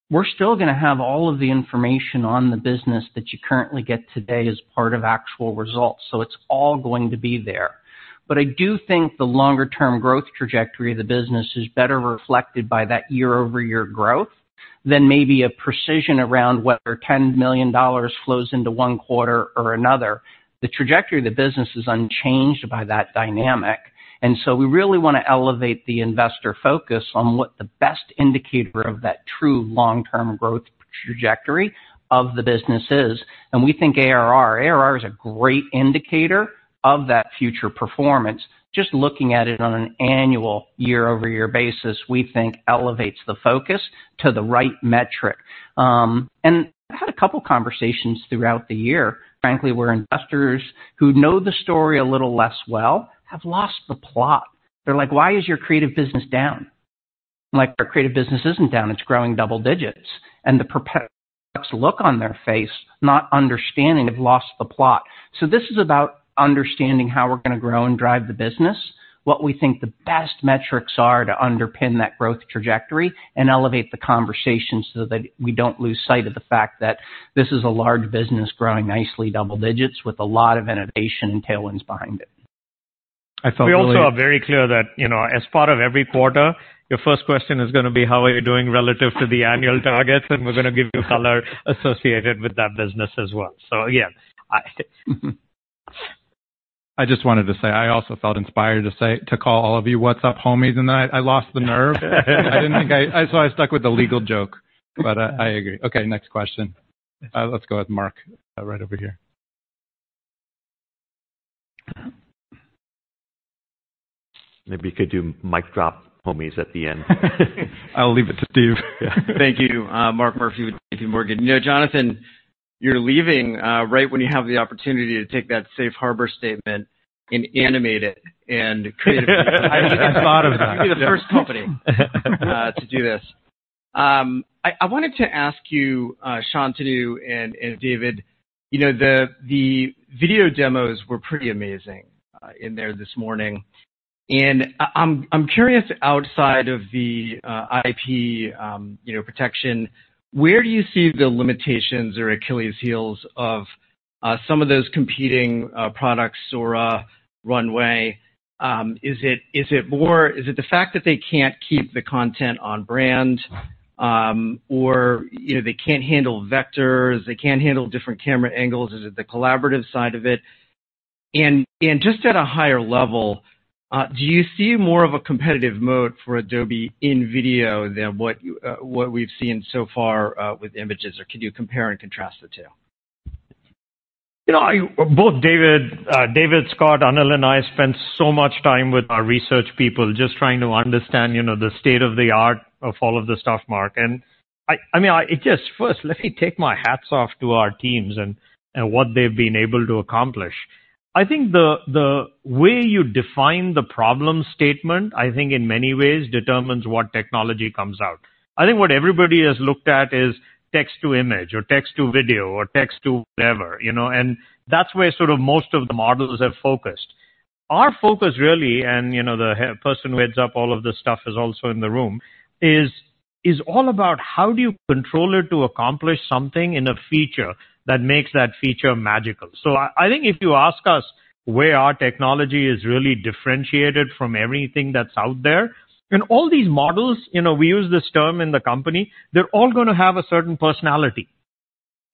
we're still gonna have all of the information on the business that you currently get today as part of actual results, so it's all going to be there. But I do think the longer term growth trajectory of the business is better reflected by that year-over-year growth than maybe a precision around whether $10 million flows into one quarter or another. The trajectory of the business is unchanged by that dynamic.... And so we really want to elevate the investor focus on what the best indicator of that true long-term growth trajectory of the business is. And we think ARR. ARR is a great indicator of that future performance. Just looking at it on an annual year-over-year basis, we think elevates the focus to the right metric. And I had a couple conversations throughout the year, frankly, where investors who know the story a little less well, have lost the plot. They're like: "Why is your creative business down?" I'm like, "Our creative business isn't down. It's growing double digits." And the perplexed look on their face, not understanding, they've lost the plot. This is about understanding how we're going to grow and drive the business, what we think the best metrics are to underpin that growth trajectory, and elevate the conversation so that we don't lose sight of the fact that this is a large business growing nicely, double digits, with a lot of innovation and tailwinds behind it. I felt really- We also are very clear that, you know, as part of every quarter, your first question is going to be, how are you doing relative to the annual targets? And we're going to give you color associated with that business as well. So again, I... I just wanted to say I also felt inspired to say to call all of you, "What's up, homies?" And then I lost the nerve. I didn't think I... So I stuck with the legal joke, but I agree. Okay, next question. Let's go with Mark, right over here. Maybe you could do mic drop, homies, at the end. I'll leave it to Steve. Thank you. Mark Murphy with JP Morgan. You know, Jonathan, you're leaving right when you have the opportunity to take that safe harbor statement and animate it and creatively... I even thought of that. You'd be the first company to do this. I wanted to ask you, Shantanu and David, you know, the video demos were pretty amazing in there this morning, and I'm curious, outside of the IP, you know, protection, where do you see the limitations or Achilles heels of some of those competing products or Runway? Is it more the fact that they can't keep the content on brand, or, you know, they can't handle vectors, they can't handle different camera angles? Is it the collaborative side of it? And just at a higher level, do you see more of a competitive mode for Adobe in video than what we've seen so far with images, or could you compare and contrast the two? You know, I both David, David, Scott, Anil, and I spent so much time with our research people just trying to understand, you know, the state-of-the-art of all of the stuff, Mark. And I mean, it just first, let me take my hats off to our teams and what they've been able to accomplish. I think the way you define the problem statement, I think in many ways determines what technology comes out. I think what everybody has looked at is text to image or text to video or text to whatever, you know, and that's where sort of most of the models have focused. Our focus, really, and, you know, the person who heads up all of this stuff is also in the room, is all about how do you control it to accomplish something in a feature that makes that feature magical? So I think if you ask us where our technology is really differentiated from everything that's out there, and all these models, you know, we use this term in the company, they're all going to have a certain personality.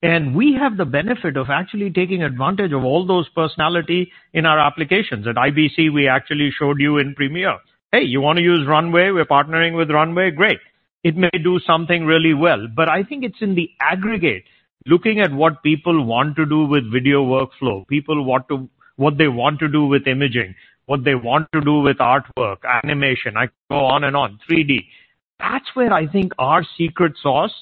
And we have the benefit of actually taking advantage of all those personality in our applications. At IBC, we actually showed you in Premiere, "Hey, you want to use Runway? We're partnering with Runway." Great! It may do something really well, but I think it's in the aggregate, looking at what people want to do with video workflow, what they want to do with imaging, what they want to do with artwork, animation, I could go on and on, 3D. That's where I think our secret sauce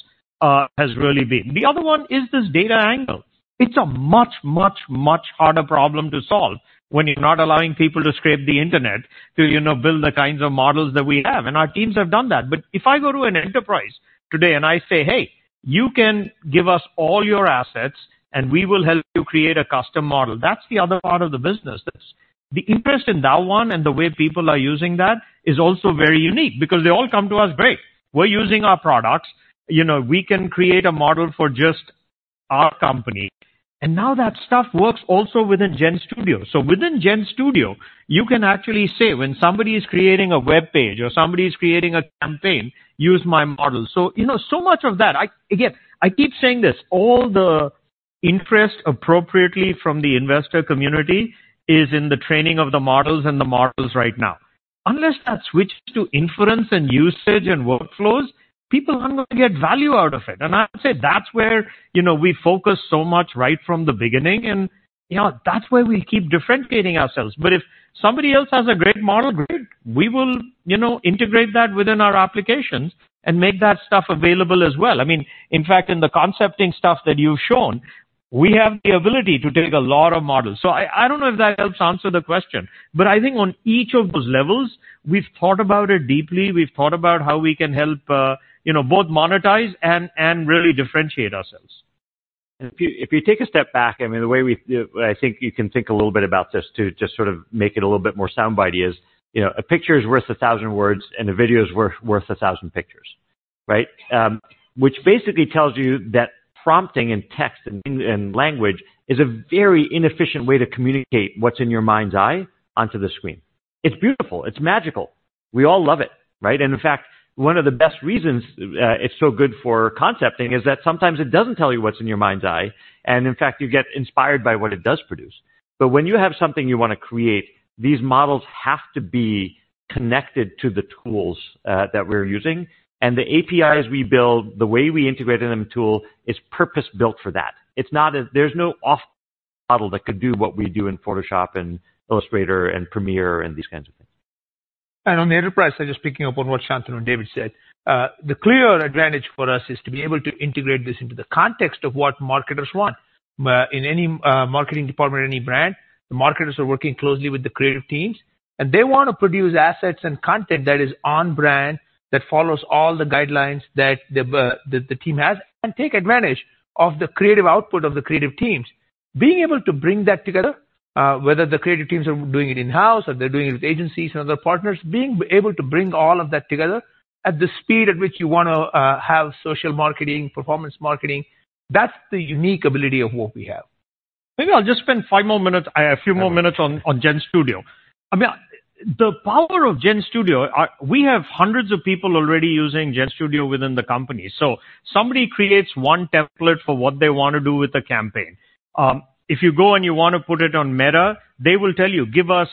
has really been. The other one is this data angle. It's a much, much, much harder problem to solve when you're not allowing people to scrape the internet to, you know, build the kinds of models that we have, and our teams have done that. But if I go to an enterprise today, and I say, "Hey, you can give us all your assets, and we will help you create a custom model," that's the other part of the business. That's the interest in that one and the way people are using that is also very unique because they all come to us, great. We're using our products. You know, we can create a model for just our company, and now that stuff works also within GenStudio. So within GenStudio, you can actually say when somebody is creating a web page or somebody is creating a campaign, "Use my model." So, you know, so much of that. I, again, I keep saying this, all the interest appropriately from the investor community is in the training of the models and the models right now. Unless that switches to inference and usage and workflows, people aren't going to get value out of it. And I would say that's where, you know, we focus so much right from the beginning, and, you know, that's where we keep differentiating ourselves. But if somebody else has a great model, great! We will, you know, integrate that within our applications and make that stuff available as well. I mean, in fact, in the concepting stuff that you've shown, we have the ability to take a lot of models. So I don't know if that helps answer the question, but I think on each of those levels, we've thought about it deeply. We've thought about how we can help, you know, both monetize and really differentiate ourselves. If you take a step back, I mean, the way we, I think you can think a little bit about this to just sort of make it a little bit more sound bite is, you know, a picture is worth a thousand words, and a video is worth a thousand pictures, right? Which basically tells you that prompting and text and language is a very inefficient way to communicate what's in your mind's eye onto the screen. It's beautiful, it's magical.... We all love it, right? And in fact, one of the best reasons it's so good for concepting is that sometimes it doesn't tell you what's in your mind's eye, and in fact, you get inspired by what it does produce. But when you have something you wanna create, these models have to be connected to the tools that we're using, and the APIs we build, the way we integrate in the tool, is purpose-built for that. It's not. There's no off-the-shelf model that could do what we do in Photoshop and Illustrator and Premiere and these kinds of things. And on the enterprise side, just picking up on what Shantanu and David said, the clear advantage for us is to be able to integrate this into the context of what marketers want. In any marketing department or any brand, the marketers are working closely with the creative teams, and they wanna produce assets and content that is on brand, that follows all the guidelines that the team has, and take advantage of the creative output of the creative teams. Being able to bring that together, whether the creative teams are doing it in-house or they're doing it with agencies and other partners, being able to bring all of that together at the speed at which you wanna have social marketing, performance marketing, that's the unique ability of what we have. Maybe I'll just spend five more minutes, a few more minutes on GenStudio. I mean, the power of GenStudio, we have hundreds of people already using GenStudio within the company. So somebody creates one template for what they wanna do with the campaign. If you go and you wanna put it on Meta, they will tell you, "Give us,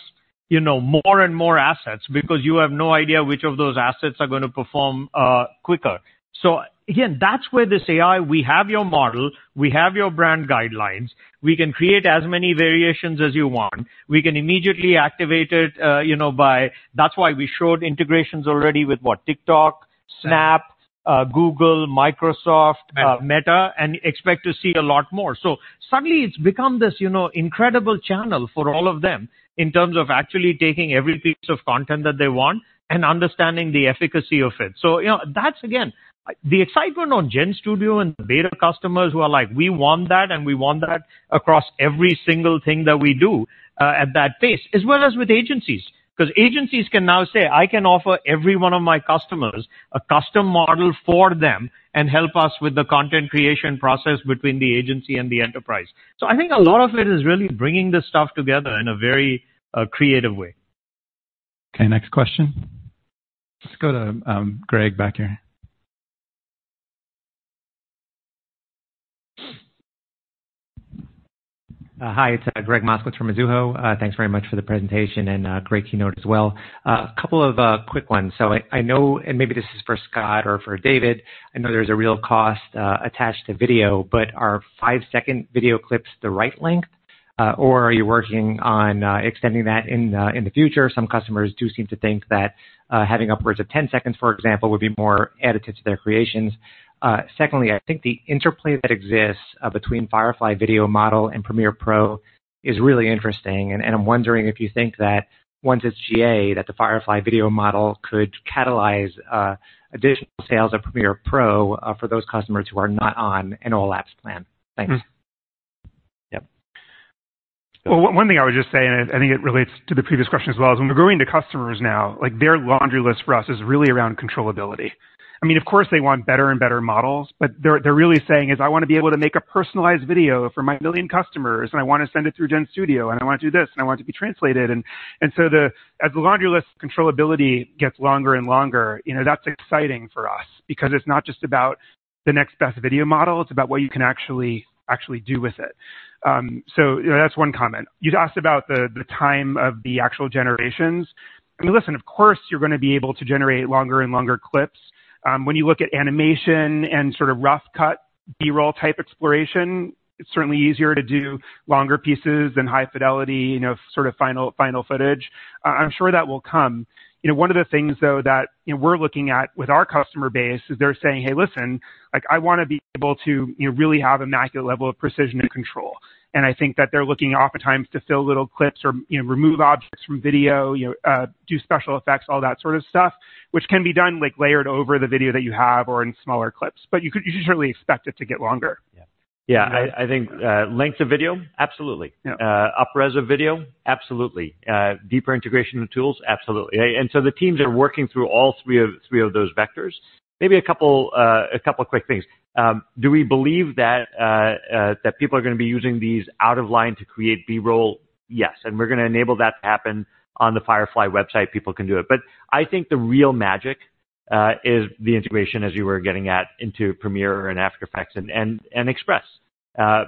you know, more and more assets," because you have no idea which of those assets are gonna perform quicker. So again, that's where this AI, we have your model, we have your brand guidelines, we can create as many variations as you want. We can immediately activate it, you know, by... That's why we showed integrations already with, what? TikTok, Snap, Google, Microsoft, Meta, and expect to see a lot more. So suddenly, it's become this, you know, incredible channel for all of them in terms of actually taking every piece of content that they want and understanding the efficacy of it. So, you know, that's again, the excitement on GenStudio and the beta customers who are like, "We want that, and we want that across every single thing that we do," at that pace, as well as with agencies. 'Cause agencies can now say, "I can offer every one of my customers a custom model for them, and help us with the content creation process between the agency and the enterprise." So I think a lot of it is really bringing this stuff together in a very, creative way. Okay, next question. Let's go to Gregg back here. Hi, it's Gregg Moskowitz from Mizuho. Thanks very much for the presentation and great keynote as well. A couple of quick ones. So I know, and maybe this is for Scott or for David, I know there's a real cost attached to video, but are five-second video clips the right length, or are you working on extending that in the future? Some customers do seem to think that having upwards of ten seconds, for example, would be more additive to their creations. Secondly, I think the interplay that exists between Firefly Video Model and Premiere Pro is really interesting, and I'm wondering if you think that once it's GA, that the Firefly Video Model could catalyze additional sales of Premiere Pro for those customers who are not on an all-apps plan. Thanks. Mm-hmm. Yep. One thing I would just say, and I think it relates to the previous question as well, is when we're going to customers now, like, their laundry list for us is really around controllability. I mean, of course, they want better and better models, but they're really saying is: I wanna be able to make a personalized video for my million customers, and I wanna send it through GenStudio, and I wanna do this, and I want it to be translated. And so the, as the laundry list, controllability gets longer and longer, you know, that's exciting for us because it's not just about the next best video model, it's about what you can actually do with it. So, you know, that's one comment. You'd asked about the time of the actual generations. I mean, listen, of course, you're gonna be able to generate longer and longer clips. When you look at animation and sort of rough cut, B-roll type exploration, it's certainly easier to do longer pieces than high fidelity, you know, sort of final, final footage. I'm sure that will come. You know, one of the things, though, that, you know, we're looking at with our customer base is they're saying, "Hey, listen, like, I wanna be able to, you know, really have immaculate level of precision and control," and I think that they're looking oftentimes to fill little clips or, you know, remove objects from video, you know, do special effects, all that sort of stuff, which can be done, like, layered over the video that you have or in smaller clips, but you could certainly expect it to get longer. Yeah. Yeah. I think, length of video, absolutely. Yeah. Up-res of video, absolutely. Deeper integration of tools, absolutely. And so the teams are working through all three of those vectors. Maybe a couple of quick things. Do we believe that people are gonna be using these inline to create B-roll? Yes, and we're gonna enable that to happen on the Firefly website, people can do it. But I think the real magic is the integration, as you were getting at, into Premiere and After Effects and Express.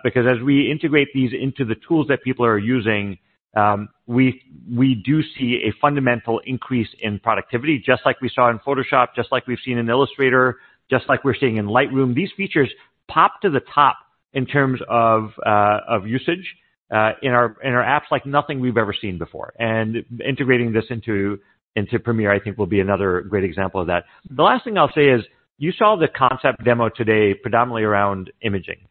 Because as we integrate these into the tools that people are using, we do see a fundamental increase in productivity, just like we saw in Photoshop, just like we've seen in Illustrator, just like we're seeing in Lightroom. These features pop to the top in terms of usage in our apps, like nothing we've ever seen before. Integrating this into Premiere, I think, will be another great example of that. The last thing I'll say is, you saw the concept demo today predominantly around imaging.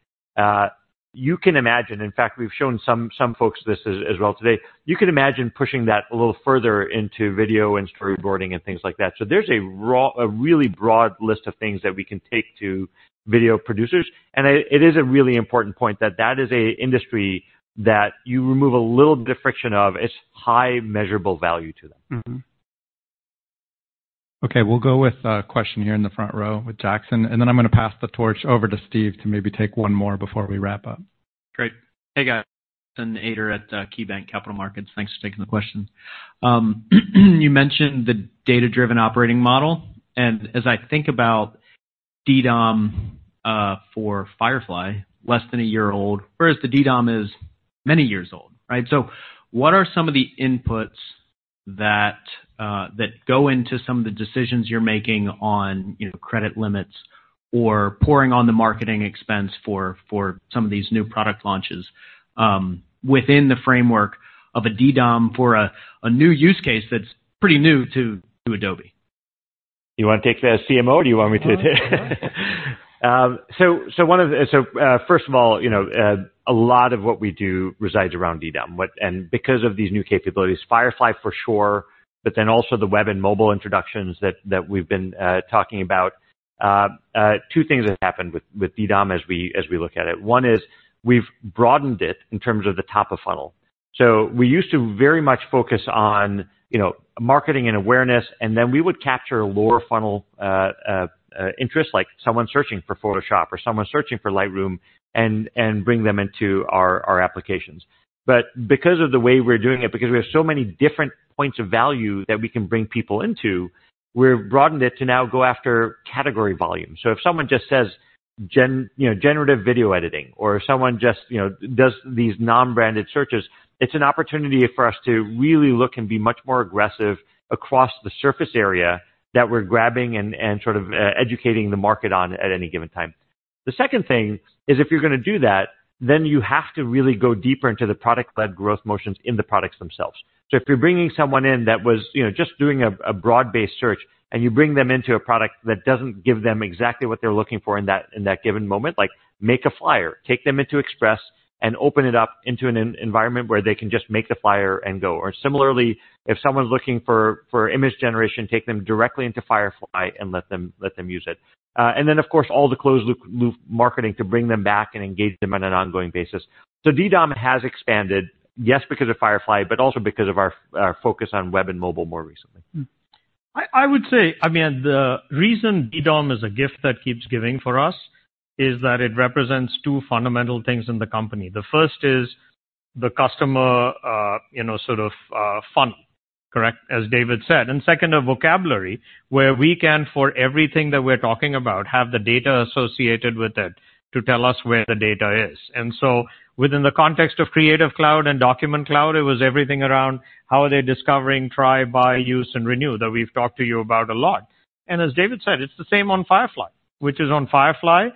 You can imagine. In fact, we've shown some folks this as well today. You can imagine pushing that a little further into video and storyboarding and things like that. So there's a really broad list of things that we can take to video producers, and it is a really important point that that is an industry that you remove a little bit of friction of, it's high measurable value to them. Mm-hmm. Okay, we'll go with a question here in the front row with Jackson, and then I'm going to pass the torch over to Steve to maybe take one more before we wrap up. Great. Hey, guys, Jackson Ader at KeyBanc Capital Markets. Thanks for taking the questions. You mentioned the data-driven operating model, and as I think about DDOM, for Firefly, less than a year old, whereas the DDOM is many years old, right? So what are some of the inputs that, that go into some of the decisions you're making on, you know, credit limits or pouring on the marketing expense for, for some of these new product launches, within the framework of a DDOM for a, a new use case that's pretty new to, to Adobe? You want to take that as CMO, or do you want me to take? So one of the, first of all, you know, a lot of what we do resides around DDOM. And because of these new capabilities, Firefly, for sure, but then also the web and mobile introductions that we've been talking about. Two things have happened with DDOM as we look at it. One is we've broadened it in terms of the top of funnel. So we used to very much focus on, you know, marketing and awareness, and then we would capture lower funnel interest, like someone searching for Photoshop or someone searching for Lightroom, and bring them into our applications. But because of the way we're doing it, because we have so many different points of value that we can bring people into, we've broadened it to now go after category volume. So if someone just says, you know, generative video editing, or if someone just, you know, does these non-branded searches, it's an opportunity for us to really look and be much more aggressive across the surface area that we're grabbing and sort of educating the market on at any given time. The second thing is, if you're going to do that, then you have to really go deeper into the product-led growth motions in the products themselves. So if you're bringing someone in that was, you know, just doing a broad-based search, and you bring them into a product that doesn't give them exactly what they're looking for in that given moment, like, make a flyer, take them into Express and open it up into an environment where they can just make the flyer and go. Or similarly, if someone's looking for image generation, take them directly into Firefly and let them use it. And then, of course, all the closed loop marketing to bring them back and engage them on an ongoing basis. So DDOM has expanded, yes, because of Firefly, but also because of our focus on web and mobile more recently. I would say, I mean, the reason DDOM is a gift that keeps giving for us, is that it represents two fundamental things in the company. The first is the customer, you know, sort of, funnel, correct? As David said. And second, a vocabulary, where we can, for everything that we're talking about, have the data associated with it to tell us where the data is. And so within the context of Creative Cloud and Document Cloud, it was everything around how are they discovering, try, buy, use, and renew, that we've talked to you about a lot. And as David said, it's the same on Firefly. Which is on Firefly,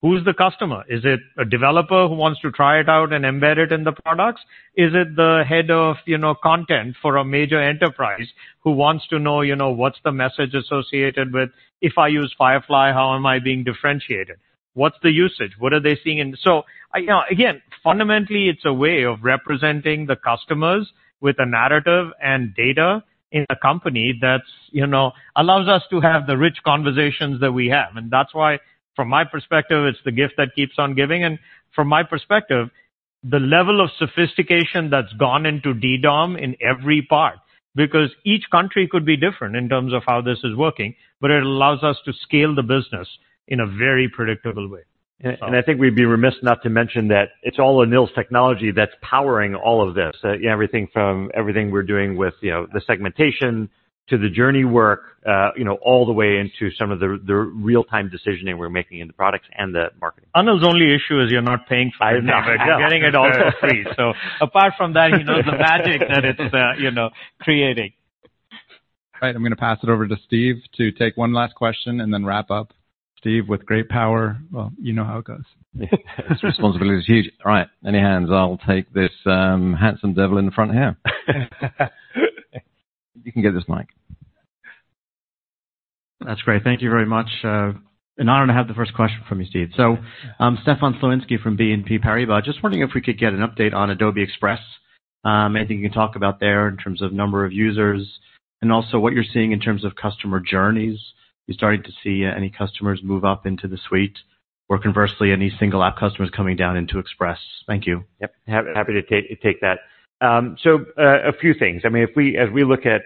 who's the customer? Is it a developer who wants to try it out and embed it in the products? Is it the head of, you know, content for a major enterprise who wants to know, you know, what's the message associated with: If I use Firefly, how am I being differentiated? What's the usage? What are they seeing in... So, you know, again, fundamentally, it's a way of representing the customers with a narrative and data in a company that's, you know, allows us to have the rich conversations that we have. And that's why, from my perspective, it's the gift that keeps on giving, and from my perspective, the level of sophistication that's gone into DDOM in every part, because each country could be different in terms of how this is working, but it allows us to scale the business in a very predictable way. And I think we'd be remiss not to mention that it's all Anil's technology that's powering all of this. Everything we're doing with, you know, the segmentation to the journey work, you know, all the way into some of the real-time decisioning we're making in the products and the marketing. Anil's only issue is you're not paying for it. I know. You're getting it also free. So apart from that, he knows the magic that it's, you know, creating. All right, I'm going to pass it over to Steve to take one last question and then wrap up. Steve, with great power, well, you know how it goes. Responsibility is huge. All right, any hands? I'll take this, handsome devil in the front here. You can get this mic. That's great. Thank you very much. An honor to have the first question from you, Steve. So, I'm Stefan Slowinski from BNP Paribas. Just wondering if we could get an update on Adobe Express. Anything you can talk about there in terms of number of users, and also what you're seeing in terms of customer journeys. You're starting to see any customers move up into the suite or, conversely, any single app customers coming down into Express? Thank you. Yep, happy to take that. A few things. I mean, as we look at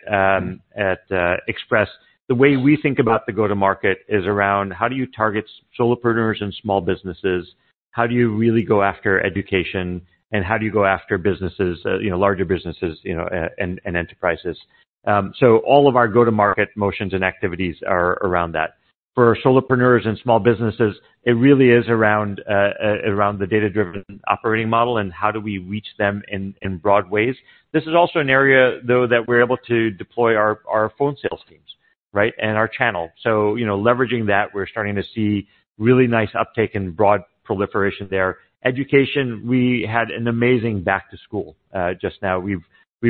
Express, the way we think about the go-to-market is around how do you target solopreneurs and small businesses? How do you really go after education? And how do you go after businesses, you know, larger businesses, you know, and enterprises? So all of our go-to-market motions and activities are around that. For solopreneurs and small businesses, it really is around the Data-Driven Operating Model, and how do we reach them in broad ways. This is also an area, though, that we're able to deploy our phone sales teams, right? And our channel. So, you know, leveraging that, we're starting to see really nice uptake and broad proliferation there. Education, we had an amazing back to school, just now. We've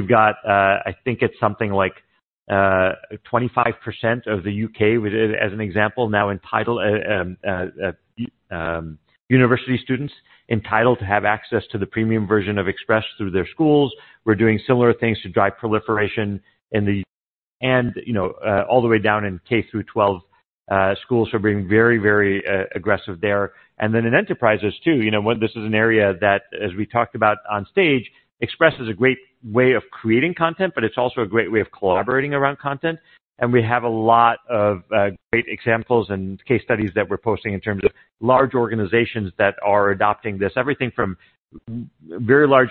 got, I think it's something like 25% of the U.K., with, as an example, now entitled university students entitled to have access to the premium version of Express through their schools. We're doing similar things to drive proliferation in the... And, you know, all the way down in K-12... schools are being very aggressive there. And then in enterprises, too, you know, when this is an area that, as we talked about on stage, Express is a great way of creating content, but it's also a great way of collaborating around content. And we have a lot of great examples and case studies that we're posting in terms of large organizations that are adopting this. Everything from very large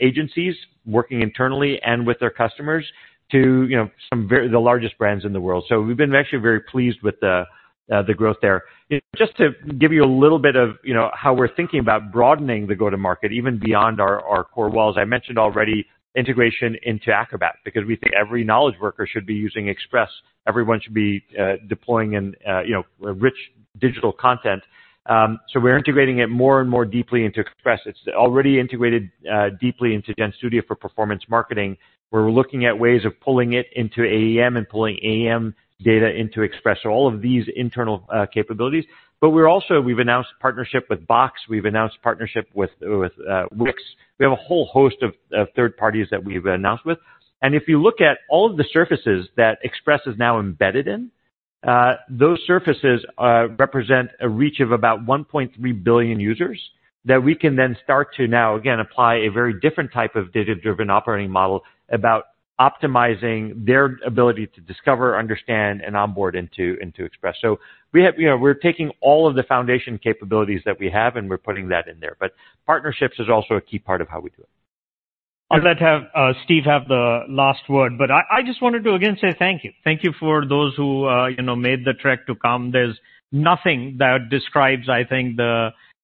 agencies working internally and with their customers, to, you know, some of the largest brands in the world. So we've been actually very pleased with the growth there. Just to give you a little bit of, you know, how we're thinking about broadening the go-to-market, even beyond our core walls. I mentioned already integration into Acrobat, because we think every knowledge worker should be using Express. Everyone should be deploying and, you know, a rich digital content. So we're integrating it more and more deeply into Express. It's already integrated deeply into GenStudio for Performance Marketing, where we're looking at ways of pulling it into AEM and pulling AEM data into Express. So all of these internal capabilities, but we're also. We've announced partnership with Box. We've announced partnership with Wix. We have a whole host of of third parties that we've announced with, and if you look at all of the surfaces that Express is now embedded in, those surfaces represent a reach of about 1.3 billion users that we can then start to now, again, apply a very different type of data-driven operating model about optimizing their ability to discover, understand, and onboard into into Express. So we have, you know, we're taking all of the foundation capabilities that we have, and we're putting that in there, but partnerships is also a key part of how we do it. I'll let Steve have the last word, but I just wanted to again say thank you. Thank you for those who, you know, made the trek to come. There's nothing that describes, I think,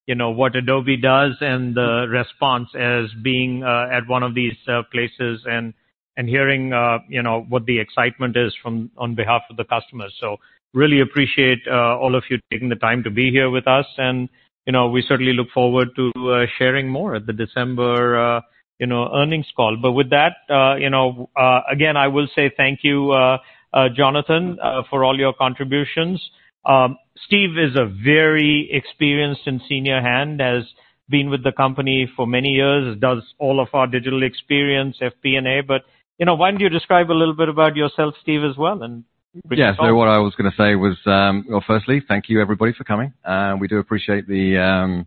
you know, what Adobe does and the response as being at one of these places and hearing, you know, what the excitement is from, on behalf of the customers. So really appreciate all of you taking the time to be here with us. And, you know, we certainly look forward to sharing more at the December, you know, earnings call. But with that, you know, again, I will say thank you, Jonathan, for all your contributions. Steve is a very experienced and senior hand, has been with the company for many years, does all of our Digital Experience, FP&A. But, you know, why don't you describe a little bit about yourself, Steve, as well, and- Yes. So what I was gonna say was, well, firstly, thank you, everybody, for coming. We do appreciate the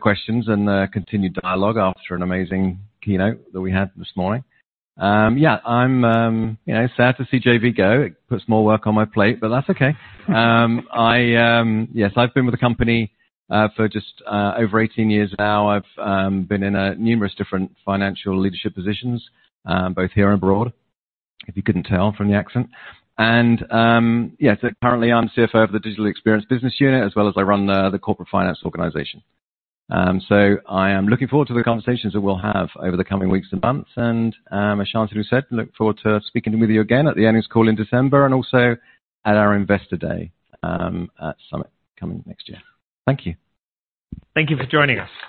questions and the continued dialogue after an amazing keynote that we had this morning. Yeah, I'm, you know, sad to see JV go. It puts more work on my plate, but that's okay. I, yes, I've been with the company for just over eighteen years now. I've been in numerous different financial leadership positions both here and abroad, if you couldn't tell from the accent, and yes, currently, I'm CFO of the Digital Experience business unit, as well as I run the corporate finance organization. So I am looking forward to the conversations that we'll have over the coming weeks and months. As Shantanu said, look forward to speaking with you again at the earnings call in December and also at our Investor Day at Summit coming next year. Thank you. Thank you for joining us.